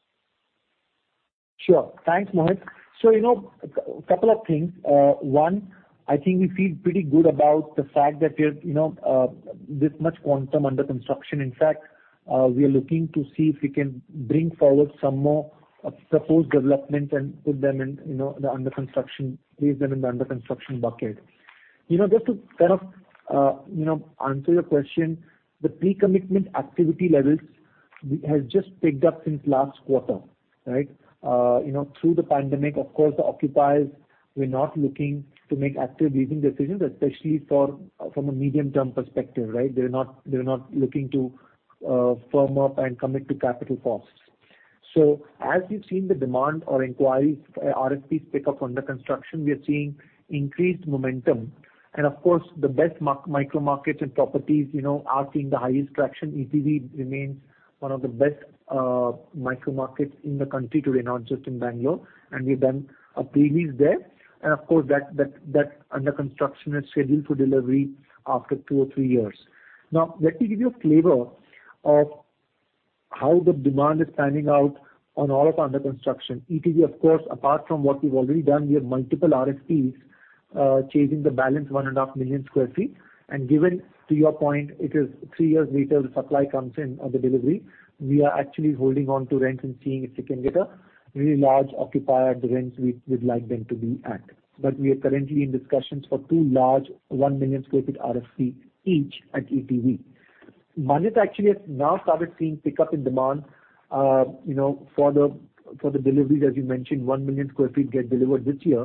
Sure. Thanks, Mohit. You know, a couple of things. One, I think we feel pretty good about the fact that we're, you know, this much quantum under construction. In fact, we are looking to see if we can bring forward some more of the post-development and put them in, you know, the under construction bucket. You know, just to kind of, you know, answer your question, the pre-commitment activity levels has just picked up since last quarter, right? You know, through the pandemic, of course, the occupiers were not looking to make active leasing decisions, especially for, from a medium term perspective, right? They're not looking to, firm up and commit to capital costs. As we've seen the demand or inquiries, RFPs pick up under construction, we are seeing increased momentum. Of course, the best micro markets and properties, you know, are seeing the highest traction. ETV remains one of the best micro markets in the country today, not just in Bengaluru, and we've done a pre-lease there. Of course that under construction is scheduled for delivery after two or three years. Now, let me give you a flavor of how the demand is panning out on all of our under construction. ETV, of course, apart from what we've already done, we have multiple RFPs chasing the balance 1.5 million sq ft. Given, to your point, it is three years later the supply comes in of the delivery, we are actually holding on to rents and seeing if we can get a really large occupier at the rents we'd like them to be at. We are currently in discussions for two large one million sq ft RFPs each at ETV. Manyata actually has now started seeing pickup in demand, you know, for the deliveries, as you mentioned, onemillion sq ft get delivered this year,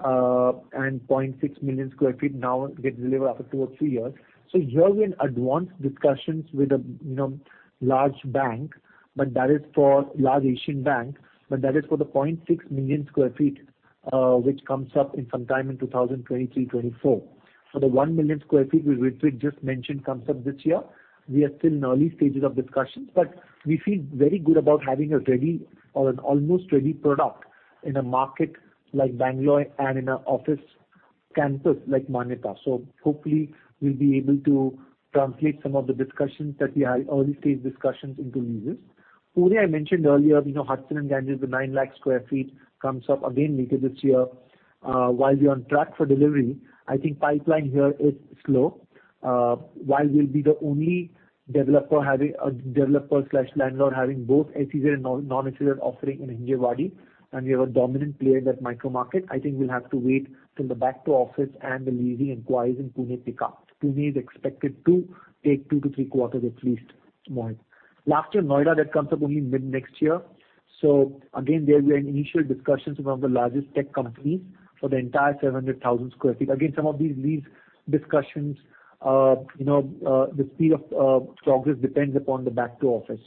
and 0.6 million sq ft now get delivered after two or three years. Here we're in advanced discussions with a, you know, large bank, but that is for large Asian bank, but that is for the 0.6 million sq ft, which comes up in some time in 2023, 2024. For the one million sq ft which Ritwik just mentioned comes up this year. We are still in early stages of discussions, but we feel very good about having a ready or an almost ready product in a market like Bangalore and in a office campus like Manyata. Hopefully we'll be able to translate some of the discussions that we have, early stage discussions into leases. Pune I mentioned earlier, you know, Hudson and Daniels, the nine lakh sq ft comes up again later this year. While we're on track for delivery, I think pipeline here is slow. While we'll be the only developer/landlord having both SEZ and non-SEZ offering in Hinjewadi, and we have a dominant player in that micro market. I think we'll have to wait till the back to office and the leasing inquiries in Pune pick up. Pune is expected to take two to three quarters at least, Mohit. Last year Noida, that comes up only mid next year. Again, there we are in initial discussions with one of the largest tech companies for the entire 700,000 sq ft. Again, some of these lease discussions, you know, the speed of progress depends upon the back to office.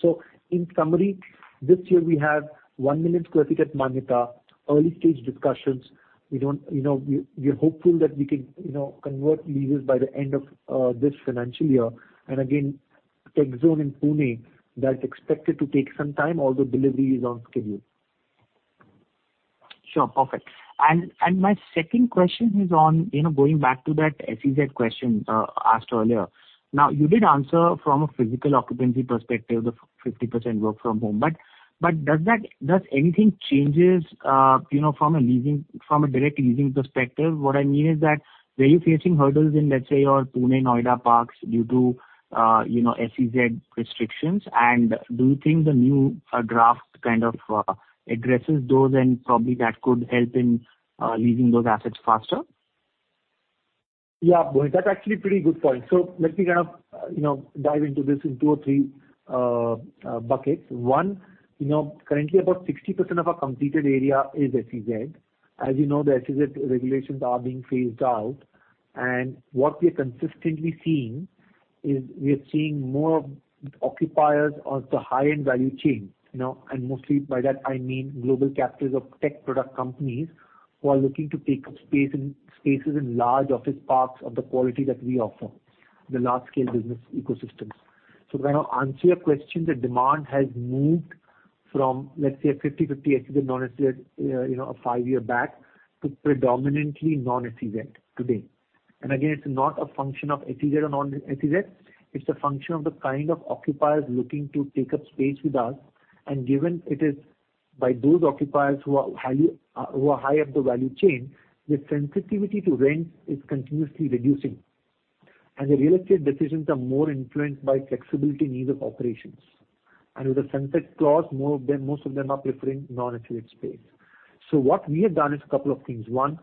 In summary, this year we have one million sq ft at Manyata, early stage discussions. You know, we're hopeful that we can, you know, convert leases by the end of this financial year. Again, TechZone in Pune, that's expected to take some time, although delivery is on schedule. Sure. Perfect. My second question is on, you know, going back to that SEZ question, asked earlier. Now, you did answer from a physical occupancy perspective, the 50% work from home. But does that does anything changes, you know, from a leasing from a direct leasing perspective? What I mean is that, were you facing hurdles in, let's say, your Pune, Noida parks due to, you know, SEZ restrictions? And do you think the new draft kind of addresses those and probably that could help in leasing those assets faster? Yeah, Mohit, that's actually a pretty good point. Let me kind of, you know, dive into this in two or three buckets. One, you know, currently about 60% of our completed area is SEZ. As you know, the SEZ regulations are being phased out. What we're consistently seeing is we're seeing more of the occupiers of the high-end value chain, you know. Mostly by that I mean global captives of tech product companies who are looking to take up space in spaces in large office parks of the quality that we offer, the large scale business ecosystems. To kind of answer your question, the demand has moved from, let's say, a 50-50 SEZ, non-SEZ, you know, five years back, to predominantly non-SEZ today. Again, it's not a function of SEZ or non-SEZ, it's a function of the kind of occupiers looking to take up space with us. Given it is by those occupiers who are high up the value chain, the sensitivity to rent is continuously reducing. The real estate decisions are more influenced by flexibility needs of operations. With the sunset clause, most of them are preferring non-SEZ space. What we have done is a couple of things. One,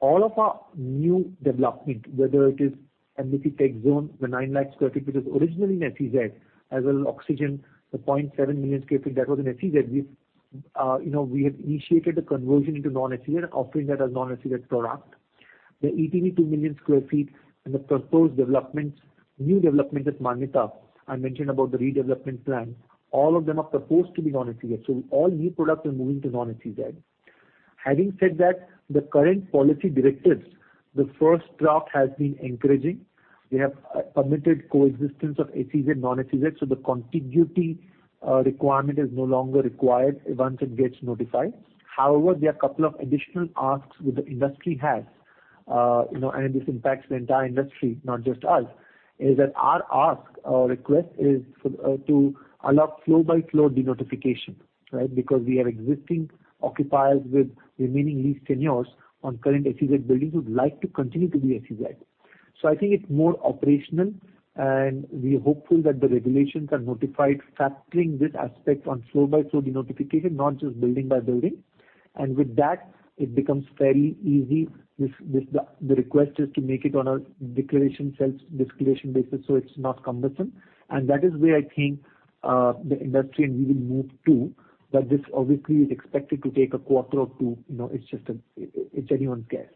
all of our new development, whether it is Embassy TechZone, the nine lakh sq ft, which was originally an SEZ, as well Oxygen, the 0.7 million sq ft, that was an SEZ. We have initiated a conversion into non-SEZ and offering that as non-SEZ product. The ETV 2 million sq ft and the proposed developments, new development at Manyata, I mentioned about the redevelopment plan. All of them are proposed to be non-SEZ. All new projects are moving to non-SEZ. Having said that, the current policy directives, the first draft has been encouraging. They have permitted coexistence of SEZ, non-SEZ, so the contiguity requirement is no longer required once it gets notified. However, there are a couple of additional asks which the industry has, you know, and this impacts the entire industry, not just us, is that our ask or request is for to allow floor by floor denotification, right? Because we have existing occupiers with remaining lease tenures on current SEZ buildings who'd like to continue to be SEZ. I think it's more operational, and we're hopeful that the regulations are notified factoring this aspect on floor by floor denotification, not just building by building. With that, it becomes fairly easy. The request is to make it on a declaration, self-declaration basis, so it's not cumbersome. That is where I think the industry and we will move to. This obviously is expected to take a quarter or two, you know, it's anyone's guess.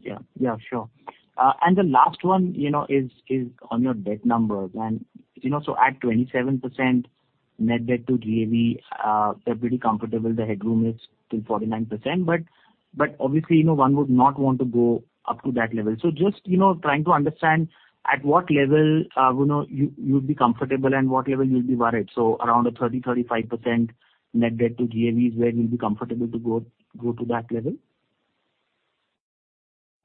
Yeah. Yeah, sure. The last one, you know, is on your debt numbers. You know, at 27% net debt to GAV, they're pretty comfortable. The headroom is still 49%. But obviously, you know, one would not want to go up to that level. Just, you know, trying to understand at what level, you know, you'd be comfortable and what level you'd be worried. Around 30%-35% net debt to GAV is where you'll be comfortable to go to that level?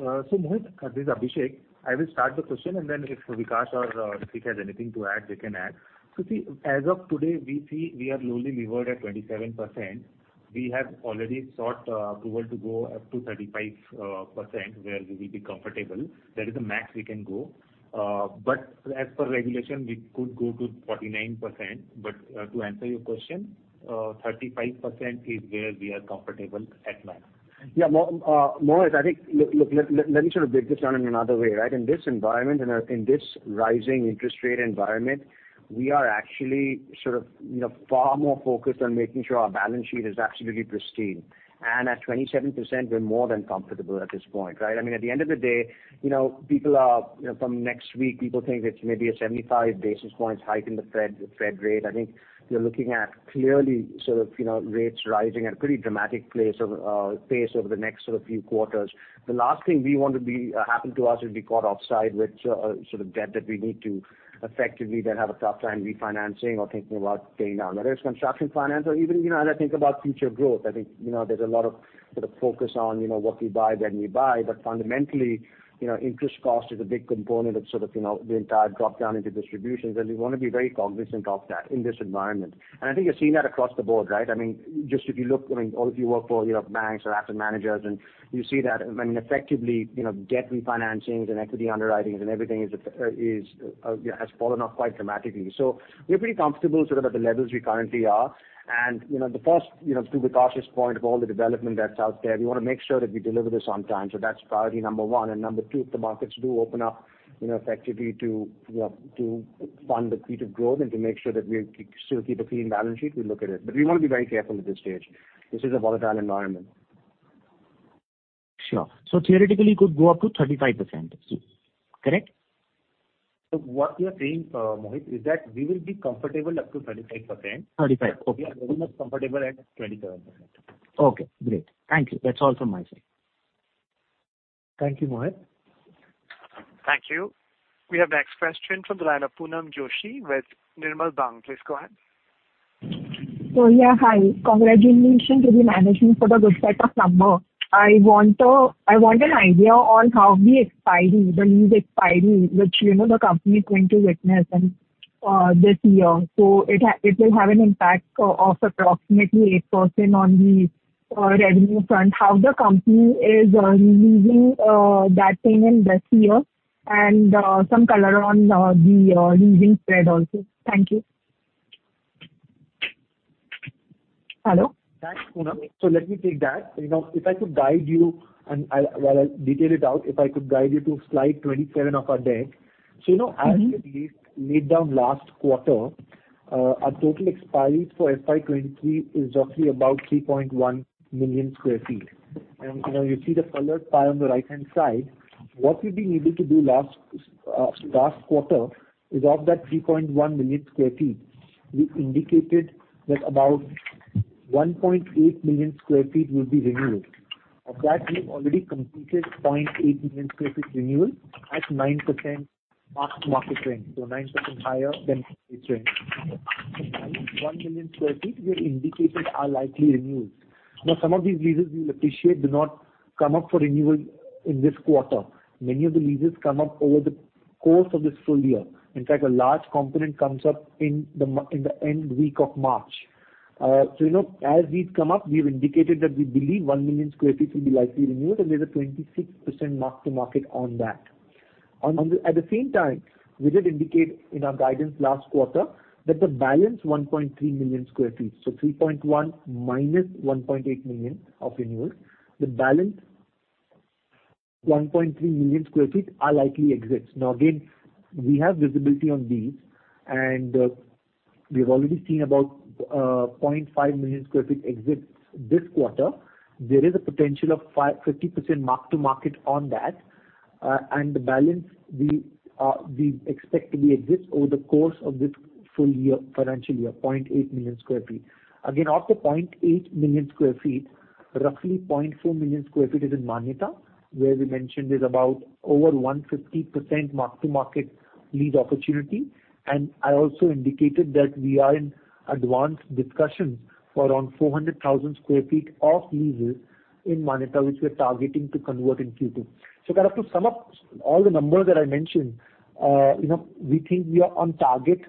Mohit, this is Abhishek. I will start the question, and then if Vikaash or Ritwik has anything to add, they can add. See, as of today, we see we are lowly levered at 27%. We have already sought approval to go up to 35% where we will be comfortable. That is the max we can go. But as per regulation, we could go to 49%. To answer your question, 35% is where we are comfortable at max. Yeah. Mohit, I think, look, let me sort of break this down in another way, right? In this environment and in this rising interest rate environment, we are actually sort of, you know, far more focused on making sure our balance sheet is absolutely pristine. At 27%, we're more than comfortable at this point, right? I mean, at the end of the day, you know, people are, you know, from next week people think it's maybe a 75 basis points hike in the Fed, the Fed rate. I think we are looking at clearly sort of, you know, rates rising at a pretty dramatic pace over the next sort of few quarters. The last thing we want to happen to us is be caught offside with sort of debt that we need to effectively then have a tough time refinancing or thinking about paying down. Whether it's construction finance or even, you know, and I think about future growth. I think, you know, there's a lot of sort of focus on, you know, what we buy, when we buy. Fundamentally, you know, interest cost is a big component of sort of, you know, the entire drop down into distributions, and we wanna be very cognizant of that in this environment. I think you're seeing that across the board, right? I mean, just if you look, I mean, or if you work for, you know, banks or asset managers, and you see that when effectively, you know, debt refinancings and equity underwritings and everything has fallen off quite dramatically. We're pretty comfortable sort of at the levels we currently are. You know, the first, you know, to Vikaash's point of all the development that's out there, we wanna make sure that we deliver this on time. That's priority number one. Number two, if the markets do open up, you know, effectively to, you know, to fund the suite of growth and to make sure that we still keep a clean balance sheet, we look at it. We wanna be very careful at this stage. This is a volatile environment. Sure. Theoretically, you could go up to 35%. Yes. Correct? What we are saying, Mohit, is that we will be comfortable up to 35%. 35. Okay. We are very much comfortable at 27%. Okay, great. Thank you. That's all from my side. Thank you, Mohit. Thank you. We have next question from the line of Poonam Joshi with Nirmal Bang. Please go ahead. Yeah, hi. Congratulations to the management for the good set of numbers. I want an idea on how the expiry, the lease expiry, which, you know, the company is going to witness in this year. It will have an impact of approximately 8% on the revenue front. How the company is renewing that thing in this year? Some color on the leasing spread also. Thank you. Hello? Thanks, Poonam. Let me take that. You know, if I could guide you, well, I'll detail it out. If I could guide you to slide 27 of our deck. Mm-hmm. You know, as we laid down last quarter, our total expiries for FY 2023 is roughly about 3.1 million sq ft. You know, you see the colored pie on the right-hand side. What we've been able to do last quarter is of that 3.1 million sq ft, we indicated that about 1.8 million sq ft will be renewed. Of that, we've already completed 0.8 million sq ft renewal at 9% mark-to-market rent, so 9% higher than lease rent. The remaining 1 million sq ft, we have indicated are likely renewed. Now, some of these leases you'll appreciate do not come up for renewal in this quarter. Many of the leases come up over the course of this full year. In fact, a large component comes up in the end week of March. you know, as these come up, we have indicated that we believe one million sq ft will be likely renewed, and there's a 26% mark-to-market on that. At the same time, we did indicate in our guidance last quarter that the balance 1.3 million sq ft, so 3.1 minus 1.8 million of renewals, the balance 1.3 million sq ft are likely exits. Now again, we have visibility on these, and we've already seen about 0.5 million sq ft exits this quarter. There is a potential of 50% mark-to-market on that, and the balance we expect to be exits over the course of this full year, financial year, 0.8 million sq ft. Again, of the 0.8 million sq ft, roughly 0.4 million sq ft is in Manyata, where we mentioned there's about over 150% mark-to-market lead opportunity. I also indicated that we are in advanced discussions for around 400,000 sq ft of leases in Manyata, which we're targeting to convert in Q2. Kind of to sum up all the numbers that I mentioned, you know, we think we are on target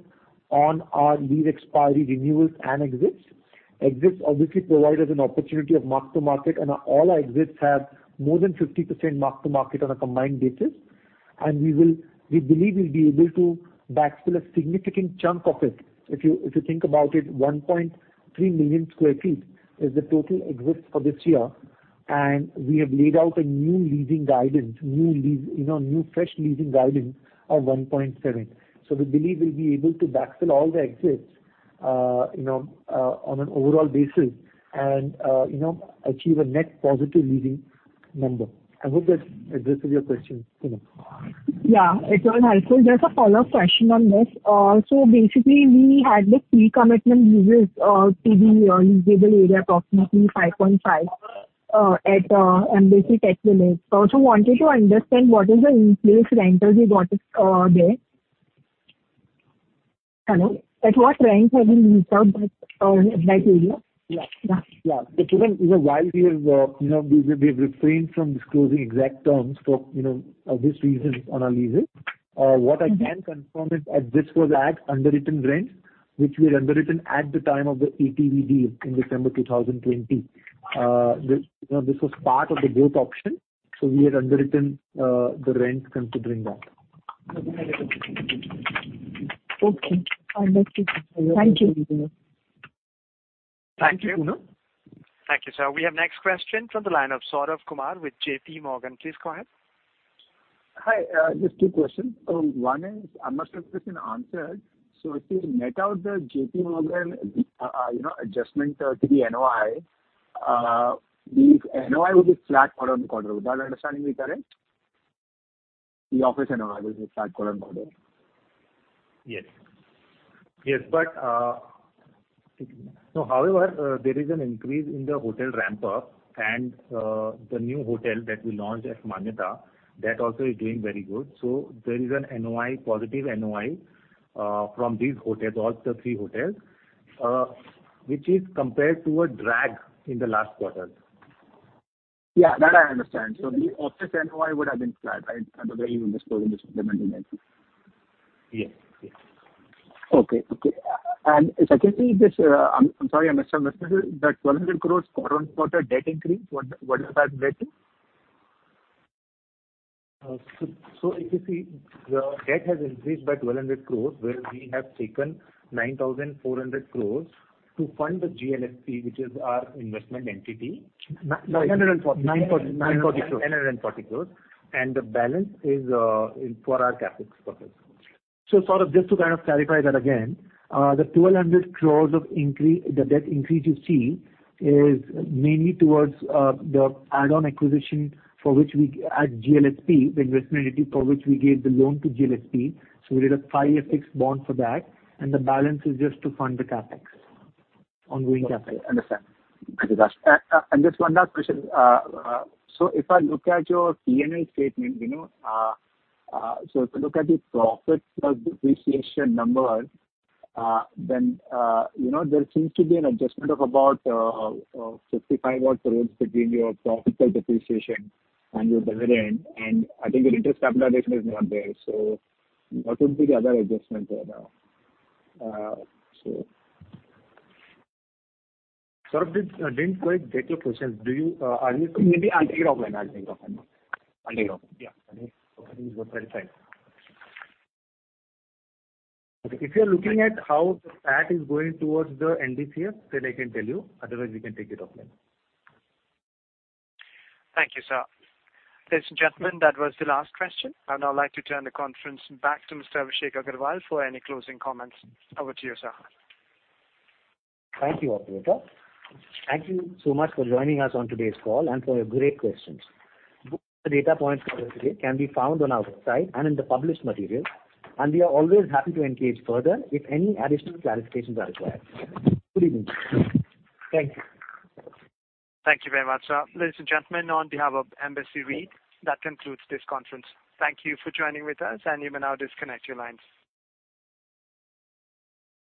on our lease expiry renewals and exits. Exits obviously provide us an opportunity of mark-to-market and all our exits have more than 50% mark-to-market on a combined basis. We believe we'll be able to backfill a significant chunk of it. If you think about it, 1.3 million sq ft is the total exits for this year. We have laid out a new leasing guidance, you know, new fresh leasing guidance of 1.7. We believe we'll be able to backfill all the exits, you know, on an overall basis and, you know, achieve a net positive leasing number. I hope that addresses your question, Poonam. Yeah, it was helpful. Just a follow-up question on this. Basically we had the pre-commitment leases to the leasable area, approximately 5.5 at Embassy TechVillage. I also wanted to understand what is the in place rentals you got there? At what rent have you leased out that area? Yeah. Yeah. Poonam, while we've refrained from disclosing exact terms for obvious reasons on our leases. What I can confirm is this was at underwritten rents, which we had underwritten at the time of the ETV deal in December 2020. This was part of the growth option, so we had underwritten the rents considering that. Okay. I understood. Thank you. Thank you. Thank you. Thank you, sir. We have next question from the line of Saurabh Kumar with JPMorgan. Please go ahead. Hi. Just two questions. One is, I'm not sure if this has been answered. If you net out the JPMorgan, you know, adjustment to the NOI, the NOI will be flat quarter-over-quarter. With our understanding, we're correct? The office NOI will be flat quarter-over-quarter. However, there is an increase in the hotel ramp-up and the new hotel that we launched at Manyata, that also is doing very good. There is an NOI, positive NOI, from these hotels, all the three hotels, which is compared to a drag in the last quarter. Yeah, that I understand. The office NOI would have been flat, right? I know that you've disclosed this movement in NOI. Yes. Yes. Okay. Secondly, this, I'm sorry, I missed out this. The 1,200 crore quarter-on-quarter debt increase, what does that relate to? If you see the debt has increased by 1,200 crores, where we have taken 9,400 crores to fund the GLSP, which is our investment entity. 940 crores. 940 crores. The balance is for our CapEx purpose. Sort of just to kind of clarify that again, the 1,200 crores of increase, the debt increase you see is mainly towards the add-on acquisition, GLSP, the investment entity for which we gave the loan to GLSP. We did a five-year fixed bond for that. The balance is just to fund the CapEx, ongoing CapEx. Okay. Understand. Just one last question. If I look at your P&L statement, Vinu, if you look at the profit plus depreciation numbers, there seems to be an adjustment of about 55 odd crores between your profit plus depreciation and your dividend. I think your interest capitalization is not there. What would be the other adjustment there? Saurabh, I didn't quite get your question. Maybe I'll take it offline. I'll take it offline. Offline? Yeah. Okay. If you are looking at how the PAT is going towards the end of CF, then I can tell you. Otherwise, we can take it offline. Thank you, sir. Ladies and gentlemen, that was the last question. I'd now like to turn the conference back to Mr. Abhishek Agarwal for any closing comments. Over to you, sir. Thank you, operator. Thank you so much for joining us on today's call and for your great questions. The data points covered today can be found on our website and in the published materials, and we are always happy to engage further if any additional clarifications are required. Good evening. Thank you. Thank you very much, sir. Ladies and gentlemen, on behalf of Embassy REIT, that concludes this conference. Thank you for joining with us, and you may now disconnect your lines.